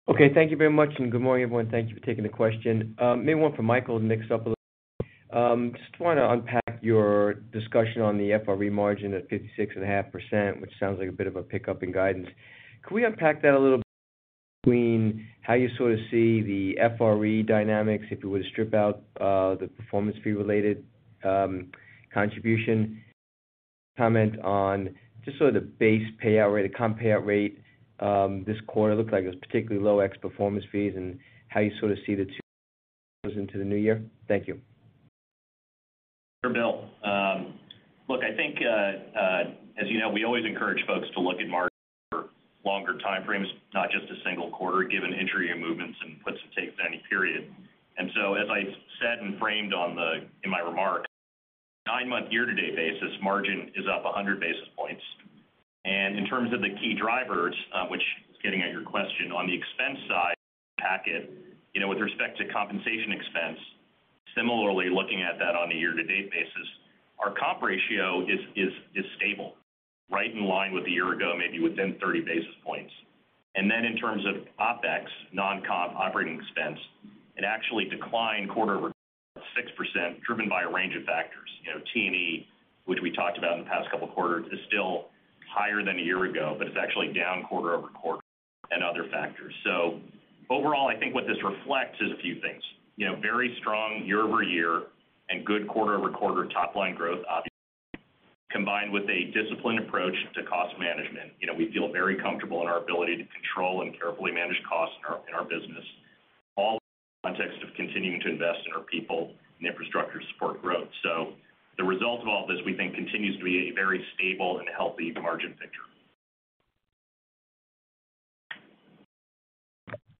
Okay. Thank you very much, and good morning, everyone. Thank you for taking the question. Maybe one for Michael to mix up a little bit. Just wanna unpack your discussion on the FRE margin at 56.5%, which sounds like a bit of a pickup in guidance. Could we unpack that a little bit between how you sort of see the FRE dynamics, if you were to strip out the performance fee related contribution? Comment on just sort of the base payout rate, the comp payout rate this quarter. Looked like it was particularly low ex performance fees, and how you sort of see the two of those into the new year. Thank you. Sure, Bill. Look, I think, as you know, we always encourage folks to look at markets over longer time frames, not just a single quarter, given entry and movements and puts and takes any period. As I said and framed in my remarks, nine-month year-to-date basis margin is up 100 basis points. In terms of the key drivers, which is getting at your question on the expense side aspect, you know, with respect to compensation expense, similarly, looking at that on a year to date basis, our comp ratio is stable, right in line with the year ago, maybe within 30 basis points. In terms of OpEx, non-comp operating expense, it actually declined quarter-over-quarter 6%, driven by a range of factors. You know, T&E, which we talked about in the past couple of quarters, is still higher than a year ago, but it's actually down quarter-over-quarter and other factors. Overall, I think what this reflects is a few things. You know, very strong year-over-year and good quarter-over-quarter top line growth, obviously, combined with a disciplined approach to cost management. You know, we feel very comfortable in our ability to control and carefully manage costs in our business, all in the context of continuing to invest in our people and infrastructure to support growth. The result of all this, we think, continues to be a very stable and healthy margin picture.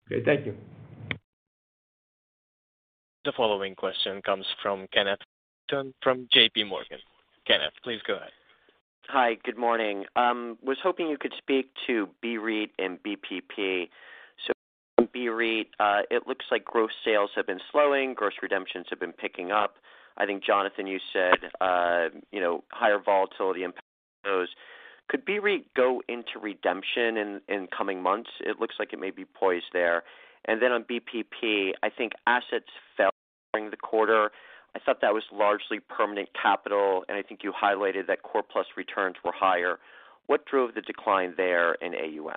Okay. Thank you. The following question comes from Ken Worthington from JPMorgan. Ken, please go ahead. Hi. Good morning. Was hoping you could speak to BREIT and BPP. BREIT, it looks like gross sales have been slowing, gross redemptions have been picking up. I think, Jonathan, you said, you know, higher volatility impacts those. Could BREIT go into redemption in coming months? It looks like it may be poised there. On BPP, I think assets fell during the quarter. I thought that was largely permanent capital, and I think you highlighted that core plus returns were higher. What drove the decline there in AUM?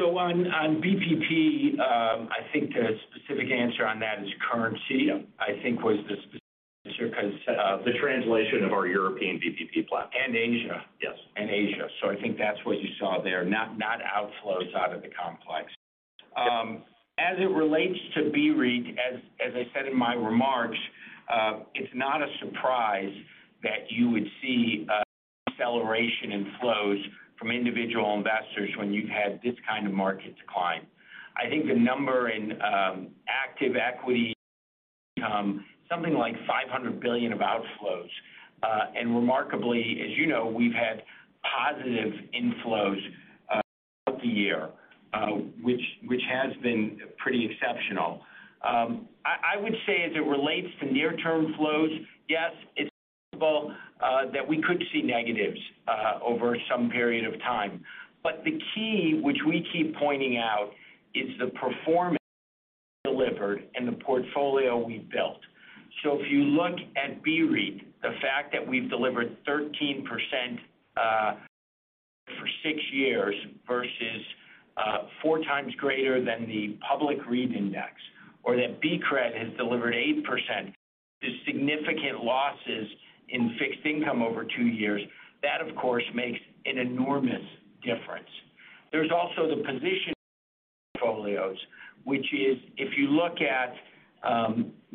On BPP, I think the specific answer on that is currency- Yeah I think was the specific answer 'cause. The translation of our European BPP platform. Asia. Yes. Asia. I think that's what you saw there, not outflows out of the complex. As it relates to BREIT, as I said in my remarks, it's not a surprise that you would see a deceleration in flows from individual investors when you've had this kind of market decline. I think the number in active equity income, something like $500 billion of outflows. Remarkably, as you know, we've had positive inflows throughout the year, which has been pretty exceptional. I would say as it relates to near term flows, yes, it's possible that we could see negatives over some period of time. The key which we keep pointing out is the performance we delivered and the portfolio we built. If you look at BREIT, the fact that we've delivered 13% for six years versus 4x greater than the Public REIT Index, or that BCRED has delivered 8% The significant losses in fixed income over two years, that of course, makes an enormous difference. There's also the 60/40 portfolios, which is if you look at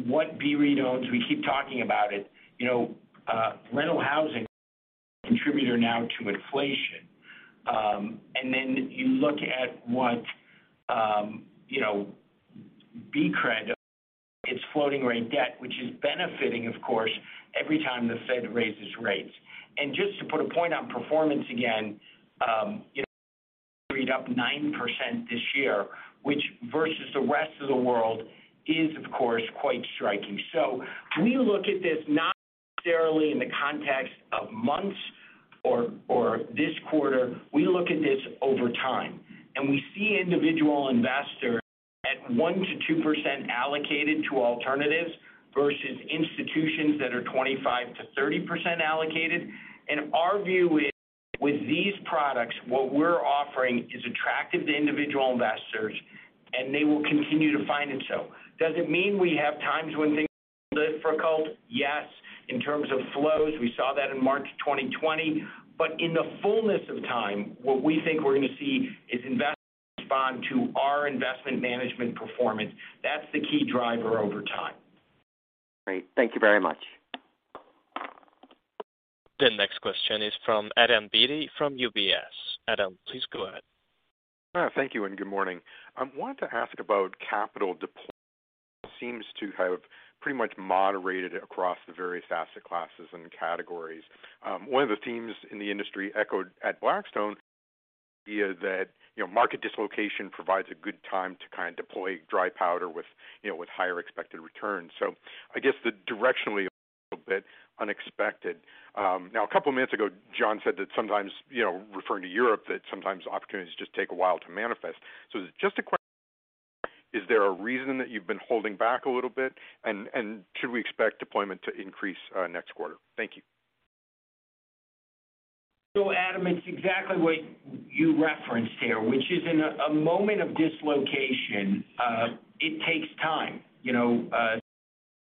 what BREIT owns, we keep talking about it. You know, rental housing contributor now to inflation. And then you look at what you know, BCRED, it's floating rate debt, which is benefiting, of course, every time the Fed raises rates. Just to put a point on performance again, you know, BREIT up 9% this year, which versus the rest of the world is of course, quite striking. We look at this not necessarily in the context of months or this quarter. We look at this over time, and we see individual investors at 1%-2% allocated to alternatives versus institutions that are 25%-30% allocated. Our view is, with these products, what we're offering is attractive to individual investors, and they will continue to find it so. Does it mean we have times when things are difficult? Yes. In terms of flows, we saw that in March 2020. In the fullness of time, what we think we're going to see is investors respond to our investment management performance. That's the key driver over time. Great. Thank you very much. The next question is from Adam Beatty from UBS. Adam, please go ahead. Thank you and good morning. I want to ask about capital deployment. Seems to have pretty much moderated across the various asset classes and categories. One of the themes in the industry echoed at Blackstone the idea that, you know, market dislocation provides a good time to kind of deploy dry powder with, you know, with higher expected returns. I guess the directionally a little bit unexpected. Now a couple minutes ago, Jon said that sometimes, you know, referring to Europe, that sometimes opportunities just take a while to manifest. Just a question, is there a reason that you've been holding back a little bit? And should we expect deployment to increase next quarter? Thank you. Adam, it's exactly what you referenced here, which is in a moment of dislocation, it takes time. You know,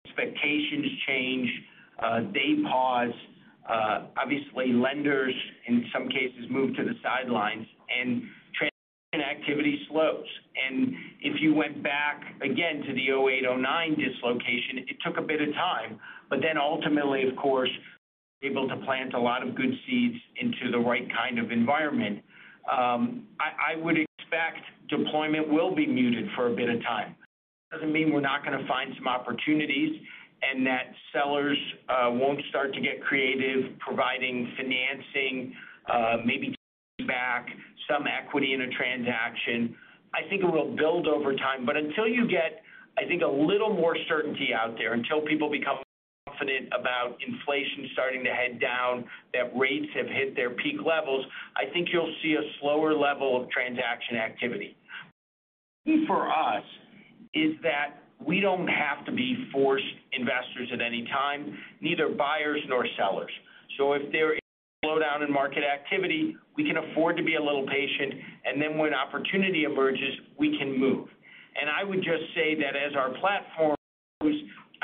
expectations change, they pause. Obviously lenders in some cases move to the sidelines and transition activity slows. If you went back again to the 2008, 2009 dislocation, it took a bit of time. Then ultimately, of course, able to plant a lot of good seeds into the right kind of environment. I would expect deployment will be muted for a bit of time. Doesn't mean we're not going to find some opportunities, and that sellers won't start to get creative, providing financing, maybe back some equity in a transaction. I think it will build over time. Until you get, I think, a little more certainty out there, until people become confident about inflation starting to head down, that rates have hit their peak levels, I think you'll see a slower level of transaction activity. For us is that we don't have to be forced investors at any time, neither buyers nor sellers. If there is slowdown in market activity, we can afford to be a little patient, and then when opportunity emerges, we can move. I would just say that as our platform grows,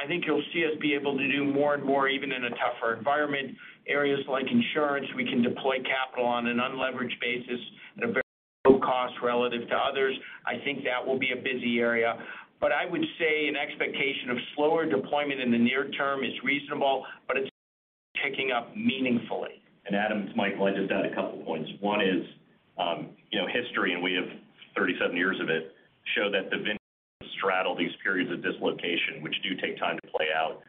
I think you'll see us be able to do more and more even in a tougher environment. Areas like insurance, we can deploy capital on an unleveraged basis at a very low cost relative to others. I think that will be a busy area. I would say an expectation of slower deployment in the near term is reasonable, but it's picking up meaningfully. Adam, it's Michael. I just add a couple points. One is, you know, history, and we have 37 years of it, show that the vintage straddle these periods of dislocation, which do take time to play out,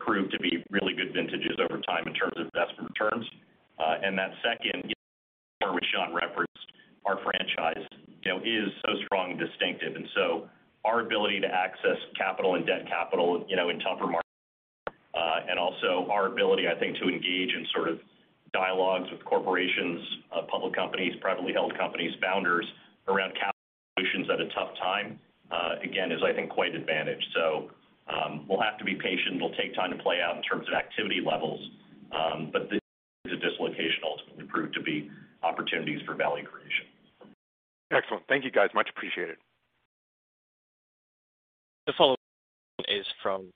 prove to be really good vintages over time in terms of investment returns. That second, which Jon referenced, our franchise, you know, is so strong and distinctive. Our ability to access capital and debt capital, you know, in tougher markets, and also our ability, I think, to engage in sort of dialogues with corporations, public companies, privately held companies, founders around capital solutions at a tough time, again, is I think quite advantaged. We'll have to be patient. It'll take time to play out in terms of activity levels. The dislocation ultimately proved to be opportunities for value creation. Excellent. Thank you guys, much appreciated. The follow-up is from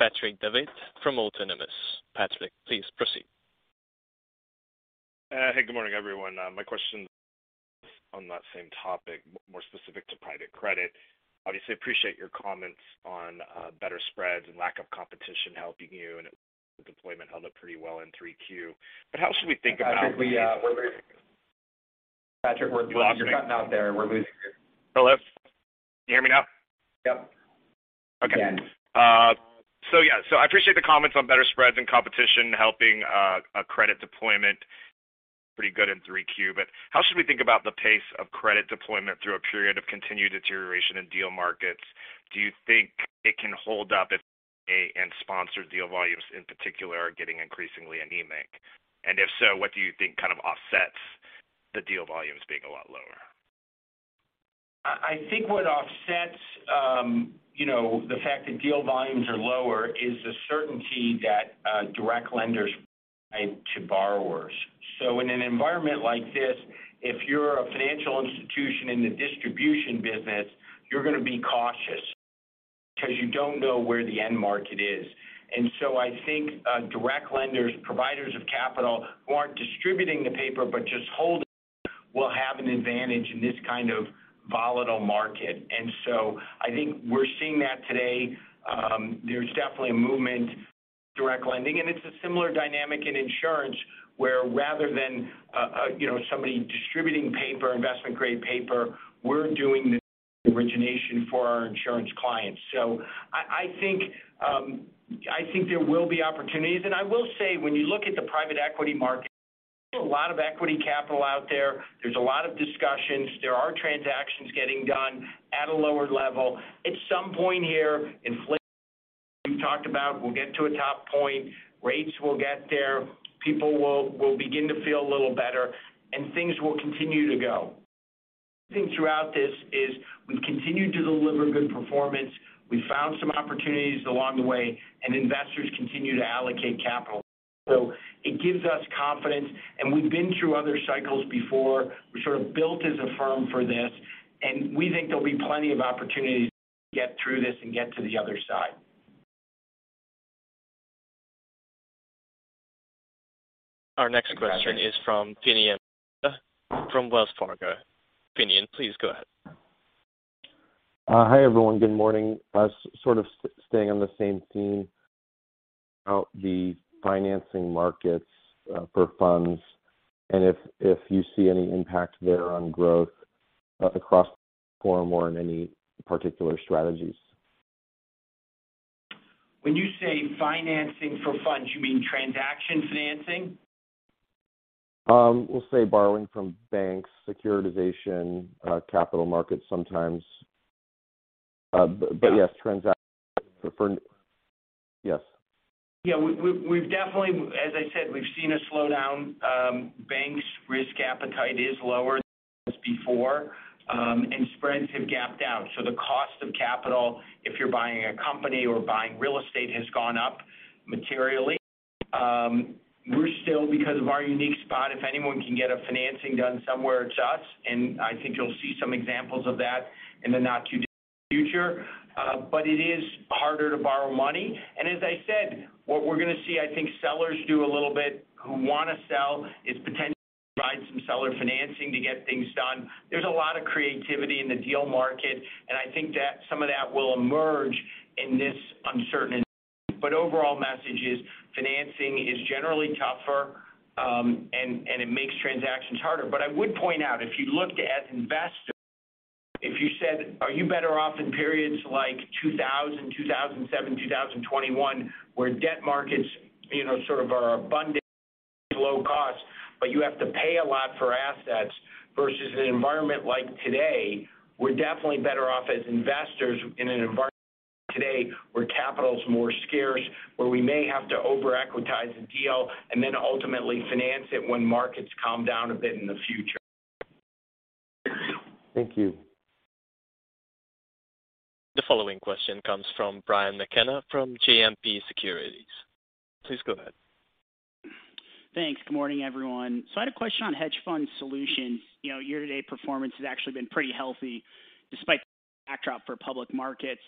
Patrick Davitt from Autonomous Research. Patrick, please proceed. Hey, good morning, everyone. My question on that same topic, more specific to private credit. Obviously appreciate your comments on better spreads and lack of competition helping you, and the deployment held up pretty well in 3Q. How should we think about- Patrick, you're cutting out there. We're losing you. Hello? Can you hear me now? Yep. I appreciate the comments on better spreads and competition helping credit deployment pretty good in 3Q. How should we think about the pace of credit deployment through a period of continued deterioration in deal markets? Do you think it can hold up if M&A and sponsored deal volumes in particular are getting increasingly anemic? If so, what do you think kind of offsets the deal volumes being a lot lower? I think what offsets, you know, the fact that deal volumes are lower is the certainty that direct lenders to borrowers. In an environment like this, if you're a financial institution in the distribution business, you're gonna be cautious because you don't know where the end market is. I think direct lenders, providers of capital who aren't distributing the paper, but just holding will have an advantage in this kind of volatile market. I think we're seeing that today. There's definitely a movement to direct lending. It's a similar dynamic in insurance, where rather than you know, somebody distributing paper, investment-grade paper, we're doing the origination for our insurance clients. I think there will be opportunities. I will say, when you look at the private equity market, there's a lot of equity capital out there. There's a lot of discussions. There are transactions getting done at a lower level. At some point here, inflation we've talked about will get to a top point. Rates will get there. People will begin to feel a little better. Things will continue to go. The thing throughout this is we've continued to deliver good performance. We found some opportunities along the way, and investors continue to allocate capital. It gives us confidence, and we've been through other cycles before. We sort of built as a firm for this, and we think there'll be plenty of opportunities to get through this and get to the other side. Our next question is from Finian O'Shea from Wells Fargo. Finian, please go ahead. Hi, everyone. Good morning. Sort of staying on the same theme about the financing markets for funds and if you see any impact there on growth across the firm or in any particular strategies. When you say financing for funds, you mean transaction financing? We'll say borrowing from banks, securitization, capital markets sometimes. Yes. Yeah. We've definitely. As I said, we've seen a slowdown. Banks' risk appetite is lower than it was before, and spreads have gapped out. So the cost of capital, if you're buying a company or buying real estate, has gone up materially. We're still because of our unique spot, if anyone can get a financing done somewhere, it's us, and I think you'll see some examples of that in the not-too-distant future. But it is harder to borrow money. As I said, what we're gonna see, I think sellers do a little bit who wanna sell is potentially provide some seller financing to get things done. There's a lot of creativity in the deal market, and I think that some of that will emerge in this uncertain environment. Overall message is financing is generally tougher, and it makes transactions harder. I would point out, if you looked at investors, if you said, "Are you better off in periods like 2000, 2007, 2021, where debt markets, you know, sort of are abundant, low cost, but you have to pay a lot for assets versus an environment like today?" We're definitely better off as investors in an environment today where capital is more scarce, where we may have to over-equitize a deal and then ultimately finance it when markets calm down a bit in the future. Thank you. The following question comes from Brian McKenna from JMP Securities. Please go ahead. Thanks. Good morning, everyone. I had a question on hedge fund solutions. You know, year-to-date performance has actually been pretty healthy despite the backdrop for public markets.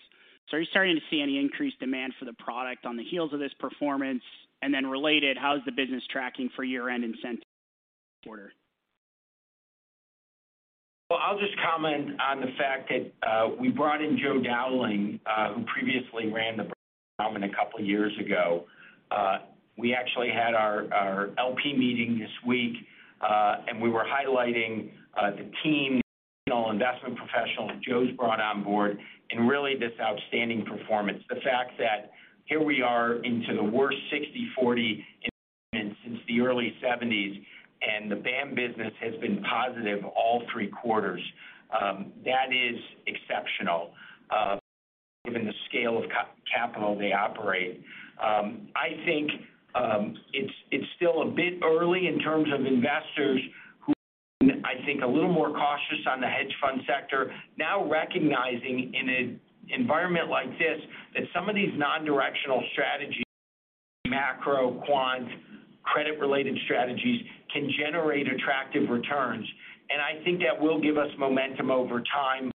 Are you starting to see any increased demand for the product on the heels of this performance? Related, how is the business tracking for year-end incentive quarter? Well, I'll just comment on the fact that we brought in Joe Dowling, who previously ran the a couple of years ago. We actually had our LP meeting this week, and we were highlighting the team, you know, investment professional Joe's brought on board and really this outstanding performance. The fact that here we are into the worst 60/40 environment since the early 1970s, and the BAAM business has been positive all three quarters. That is exceptional, given the scale of capital they operate. I think it's still a bit early in terms of investors who have been, I think, a little more cautious on the hedge fund sector, now recognizing in an environment like this that some of these non-directional strategies, macro quant, credit-related strategies can generate attractive returns. I think that will give us momentum over time.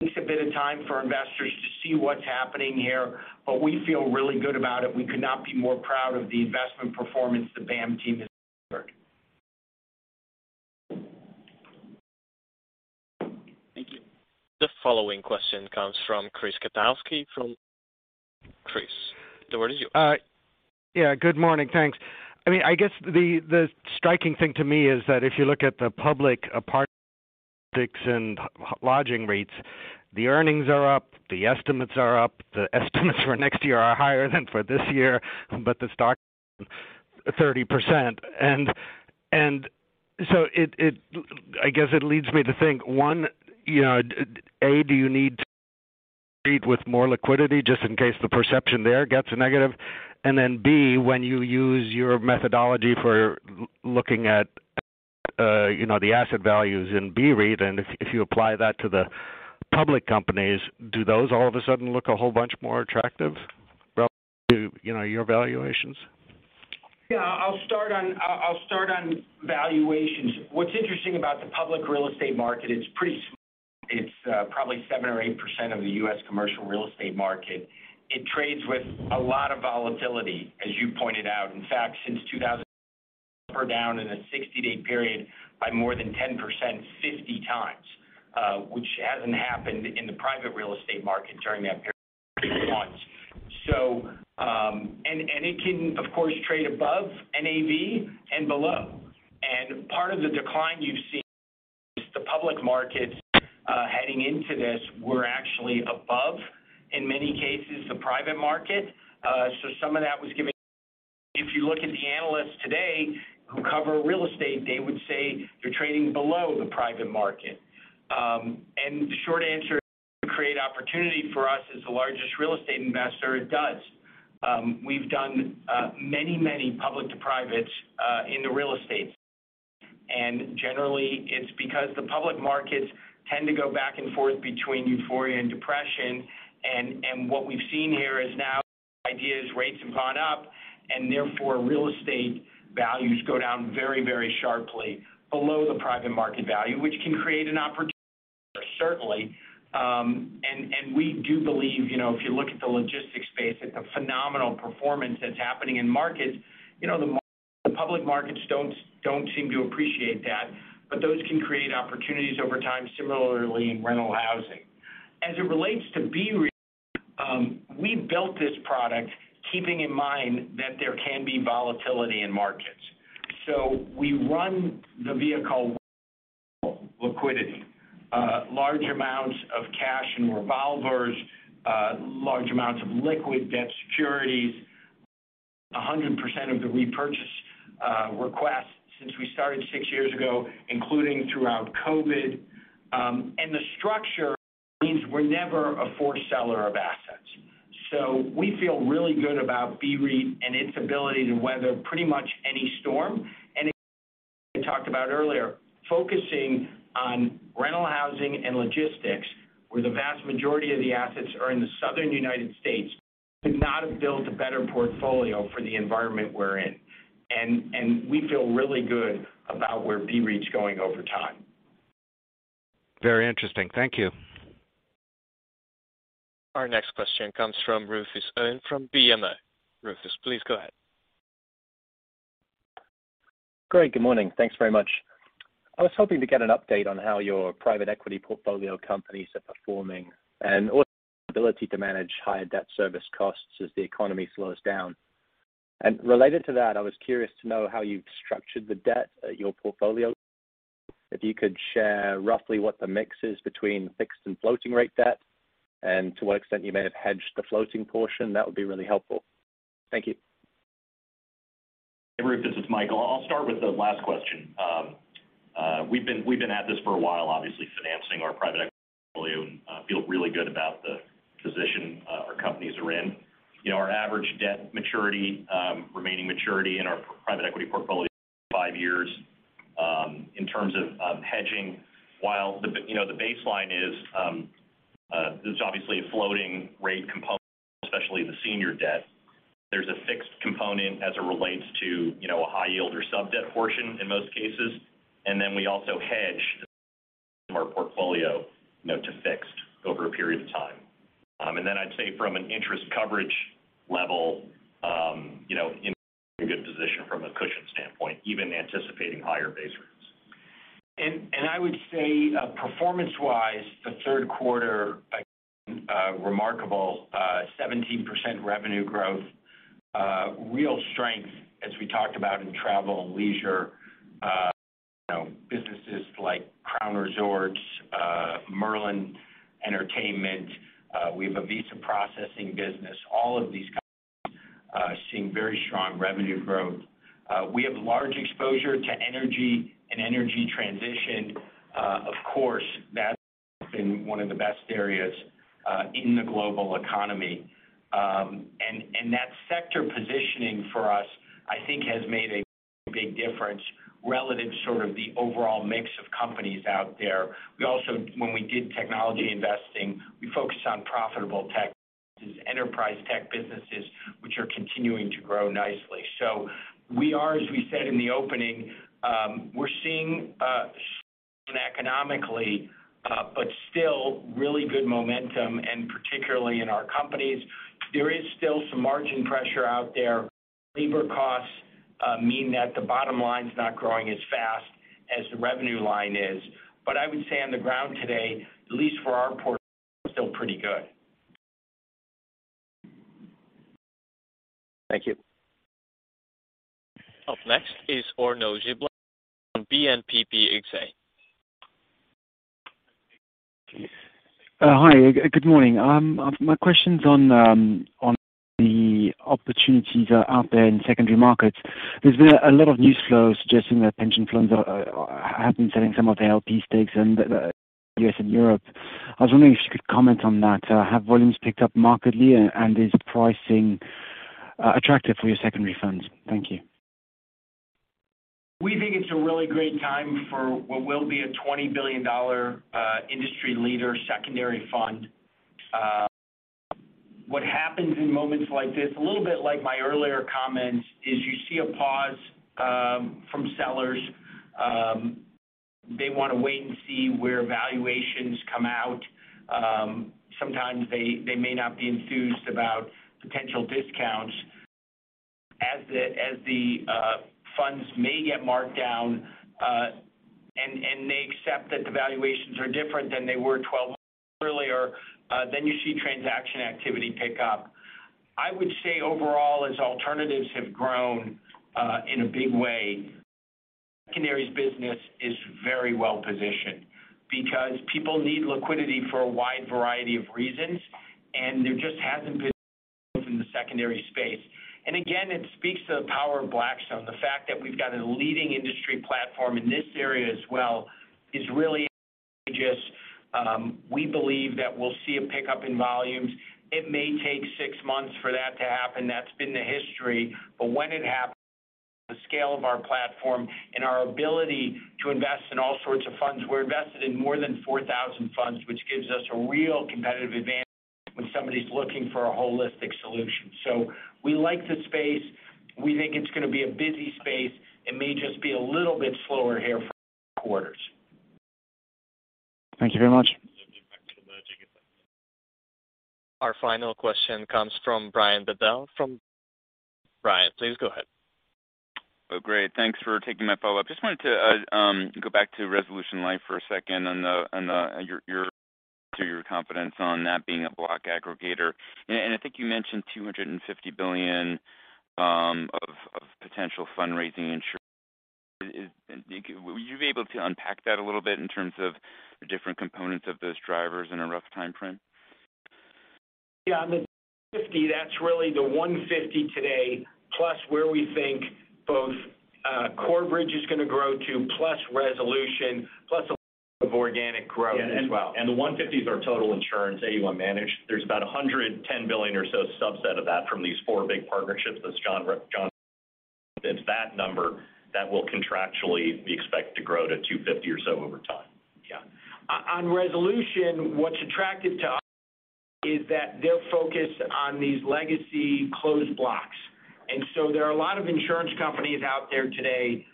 It takes a bit of time for investors to see what's happening here, but we feel really good about it. We could not be more proud of the investment performance the BAAM team has delivered. Thank you. The following question comes from Chris Kotowski. Chris, the word is you. Yeah, good morning. Thanks. I mean, I guess the striking thing to me is that if you look at the public apartment mix and hotel lodging rates, the earnings are up, the estimates are up, the estimates for next year are higher than for this year, but the stock 30%. It leads me to think, one, you know, A, do you need to compete with more liquidity just in case the perception there gets negative? And then, B, when you use your methodology for looking at You know, the asset values in BREIT, and if you apply that to the public companies, do those all of a sudden look a whole bunch more attractive relative to, you know, your valuations? Yeah. I'll start on valuations. What's interesting about the public real estate market, it's pretty small. It's probably 7% or 8% of the U.S. commercial real estate market. It trades with a lot of volatility, as you pointed out. In fact, since 2000 down in a 60-day period by more than 10% 50x, which hasn't happened in the private real estate market during that period months. It can, of course, trade above NAV and below. Part of the decline you've seen, the public markets heading into this were actually above, in many cases, the private market. Some of that was giving. If you look at the analysts today who cover real estate, they would say they're trading below the private market. The short answer to create opportunity for us as the largest real estate investor, it does. We've done many public to privates in the real estate. Generally, it's because the public markets tend to go back and forth between euphoria and depression. What we've seen here is now interest rates have gone up, and therefore, real estate values go down very sharply below the private market value, which can create an opportunity, certainly. We do believe, you know, if you look at the logistics space, it's a phenomenal performance that's happening in markets. You know, the public markets don't seem to appreciate that, but those can create opportunities over time, similarly in rental housing. As it relates to BREIT, we built this product keeping in mind that there can be volatility in markets. We run the vehicle with liquidity, large amounts of cash and revolvers, large amounts of liquid debt securities. 100% of the repurchase requests since we started six years ago, including throughout COVID. The structure means we're never a forced seller of assets. We feel really good about BREIT and its ability to weather pretty much any storm. I talked about earlier focusing on rental housing and logistics, where the vast majority of the assets are in the Southern United States. We could not have built a better portfolio for the environment we're in. We feel really good about where BREIT is going over time. Very interesting. Thank you. Our next question comes from Rufus Hone from BMO. Rufus, please go ahead. Great. Good morning. Thanks very much. I was hoping to get an update on how your private equity portfolio companies are performing and also ability to manage higher debt service costs as the economy slows down. Related to that, I was curious to know how you've structured the debt at your portfolio. If you could share roughly what the mix is between fixed and floating rate debt and to what extent you may have hedged the floating portion, that would be really helpful. Thank you. Hey, Rufus Hone, it's Michael Chae. I'll start with the last question. We've been at this for a while, obviously financing our private equity portfolio and feel really good about the position our companies are in. You know, our average debt maturity, remaining maturity in our private equity portfolio, five years. In terms of hedging, while the, you know, the baseline is, there's obviously a floating rate component, especially the senior debt. There's a fixed component as it relates to, you know, a high yield or sub-debt portion in most cases. We also hedge our portfolio, you know, to fixed over a period of time. I'd say from an interest coverage level, you know, in a good position from a cushion standpoint, even anticipating higher base rates. I would say performance-wise, the third quarter, again, remarkable 17% revenue growth. Real strength, as we talked about in travel and leisure, you know, businesses like Crown Resorts, Merlin Entertainments. We have a visa processing business. All of these companies seeing very strong revenue growth. We have large exposure to energy and energy transition. Of course, that's been one of the best areas in the global economy. That sector positioning for us, I think has made a big difference relative sort of the overall mix of companies out there. We also, when we did technology investing, we focused on profitable tech businesses, enterprise tech businesses, which are continuing to grow nicely. We are, as we said in the opening, we're seeing economically but still really good momentum, and particularly in our companies. There is still some margin pressure out there. Labor costs mean that the bottom line is not growing as fast as the revenue line is. I would say on the ground today, at least for our portfolio, still pretty good. Thank you. Up next is Arnaud Giblat on BNP Paribas Exane. Hi. Good morning. My question's on the opportunities out there in secondary markets. There's been a lot of news flow suggesting that pension funds have been selling some of their LP stakes in the U.S. and Europe. I was wondering if you could comment on that. Have volumes picked up markedly and is pricing attractive for your secondary funds. Thank you. We think it's a really great time for what will be a $20 billion industry leader secondary fund. What happens in moments like this, a little bit like my earlier comments, is you see a pause from sellers. They wanna wait and see where valuations come out. Sometimes they may not be enthused about potential discounts. As the funds may get marked down, and they accept that the valuations are different than they were 12 months earlier, then you see transaction activity pick up. I would say overall, as alternatives have grown in a big way, secondaries business is very well-positioned because people need liquidity for a wide variety of reasons, and there just hasn't been in the secondary space. Again, it speaks to the power of Blackstone. The fact that we've got a leading industry platform in this area as well is really advantageous. We believe that we'll see a pickup in volumes. It may take six months for that to happen. That's been the history. When it happens, the scale of our platform and our ability to invest in all sorts of funds. We're invested in more than 4,000 funds, which gives us a real competitive advantage when somebody's looking for a holistic solution. We like the space. We think it's gonna be a busy space. It may just be a little bit slower here for quarters. Thank you very much. Our final question comes from Brian Bedell. Brian, please go ahead. Oh, great. Thanks for taking my follow-up. Just wanted to go back to Resolution Life for a second on your confidence on that being a block aggregator. I think you mentioned $250 billion of potential fundraising in insurance. Would you be able to unpack that a little bit in terms of the different components of those drivers in a rough timeframe? On the $250, that's really the $150 today, plus where we think both Corebridge is gonna grow to, plus Resolution, plus a little bit of organic growth as well. The $150 billion is total insurance AUM managed. There's about $110 billion or so subset of that from these four big partnerships, as Jon mentioned. It's that number that will contractually be expected to grow to $250 billion or so over time. Yeah. On Resolution, what's attractive to us is that they're focused on these legacy closed blocks. There are a lot of insurance companies out there today.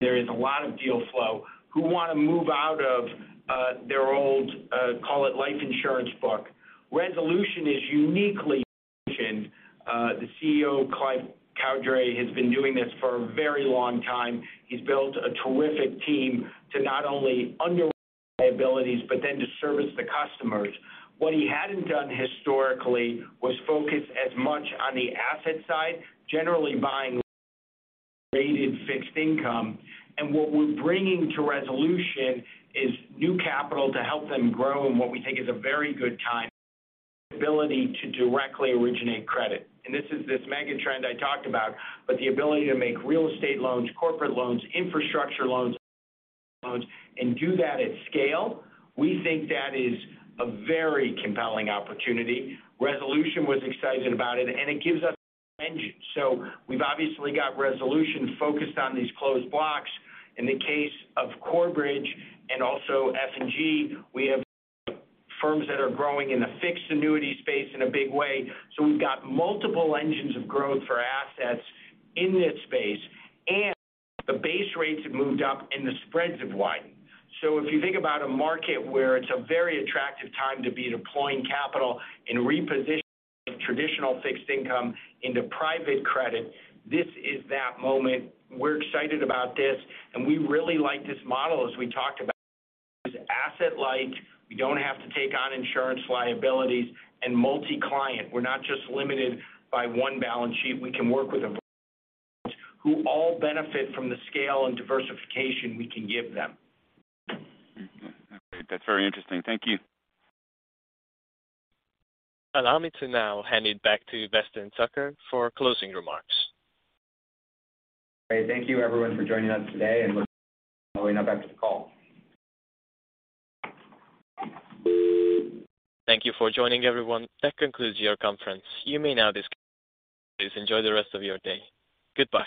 There is a lot of deal flow, who wanna move out of their old, call it life insurance book. Resolution is uniquely positioned. The CEO, Clive Cowdery, has been doing this for a very long time. He's built a terrific team to not only underwrite liabilities, but then to service the customers. What he hadn't done historically was focus as much on the asset side, generally buying rated fixed income. What we're bringing to Resolution is new capital to help them grow in what we think is a very good time, ability to directly originate credit. This is the mega trend I talked about, but the ability to make real estate loans, corporate loans, infrastructure loans, and do that at scale, we think that is a very compelling opportunity. Resolution was excited about it, and it gives us an engine. We've obviously got Resolution focused on these closed blocks. In the case of Corebridge and also Everlake, we have firms that are growing in the fixed annuity space in a big way. We've got multiple engines of growth for assets in this space, and the base rates have moved up and the spreads have widened. If you think about a market where it's a very attractive time to be deploying capital and reposition traditional fixed income into private credit, this is that moment. We're excited about this, and we really like this model as we talked about. It's asset light. We don't have to take on insurance liabilities and multi-client. We're not just limited by one balance sheet. We can work with a variety who all benefit from the scale and diversification we can give them. Mm-hmm. Okay. That's very interesting. Thank you. Allow me to now hand it back to Weston Tucker for closing remarks. Great. Thank you everyone for joining us today and looking forward to following up after the call. Thank you for joining, everyone. That concludes your conference. You may now disconnect. Please enjoy the rest of your day. Goodbye.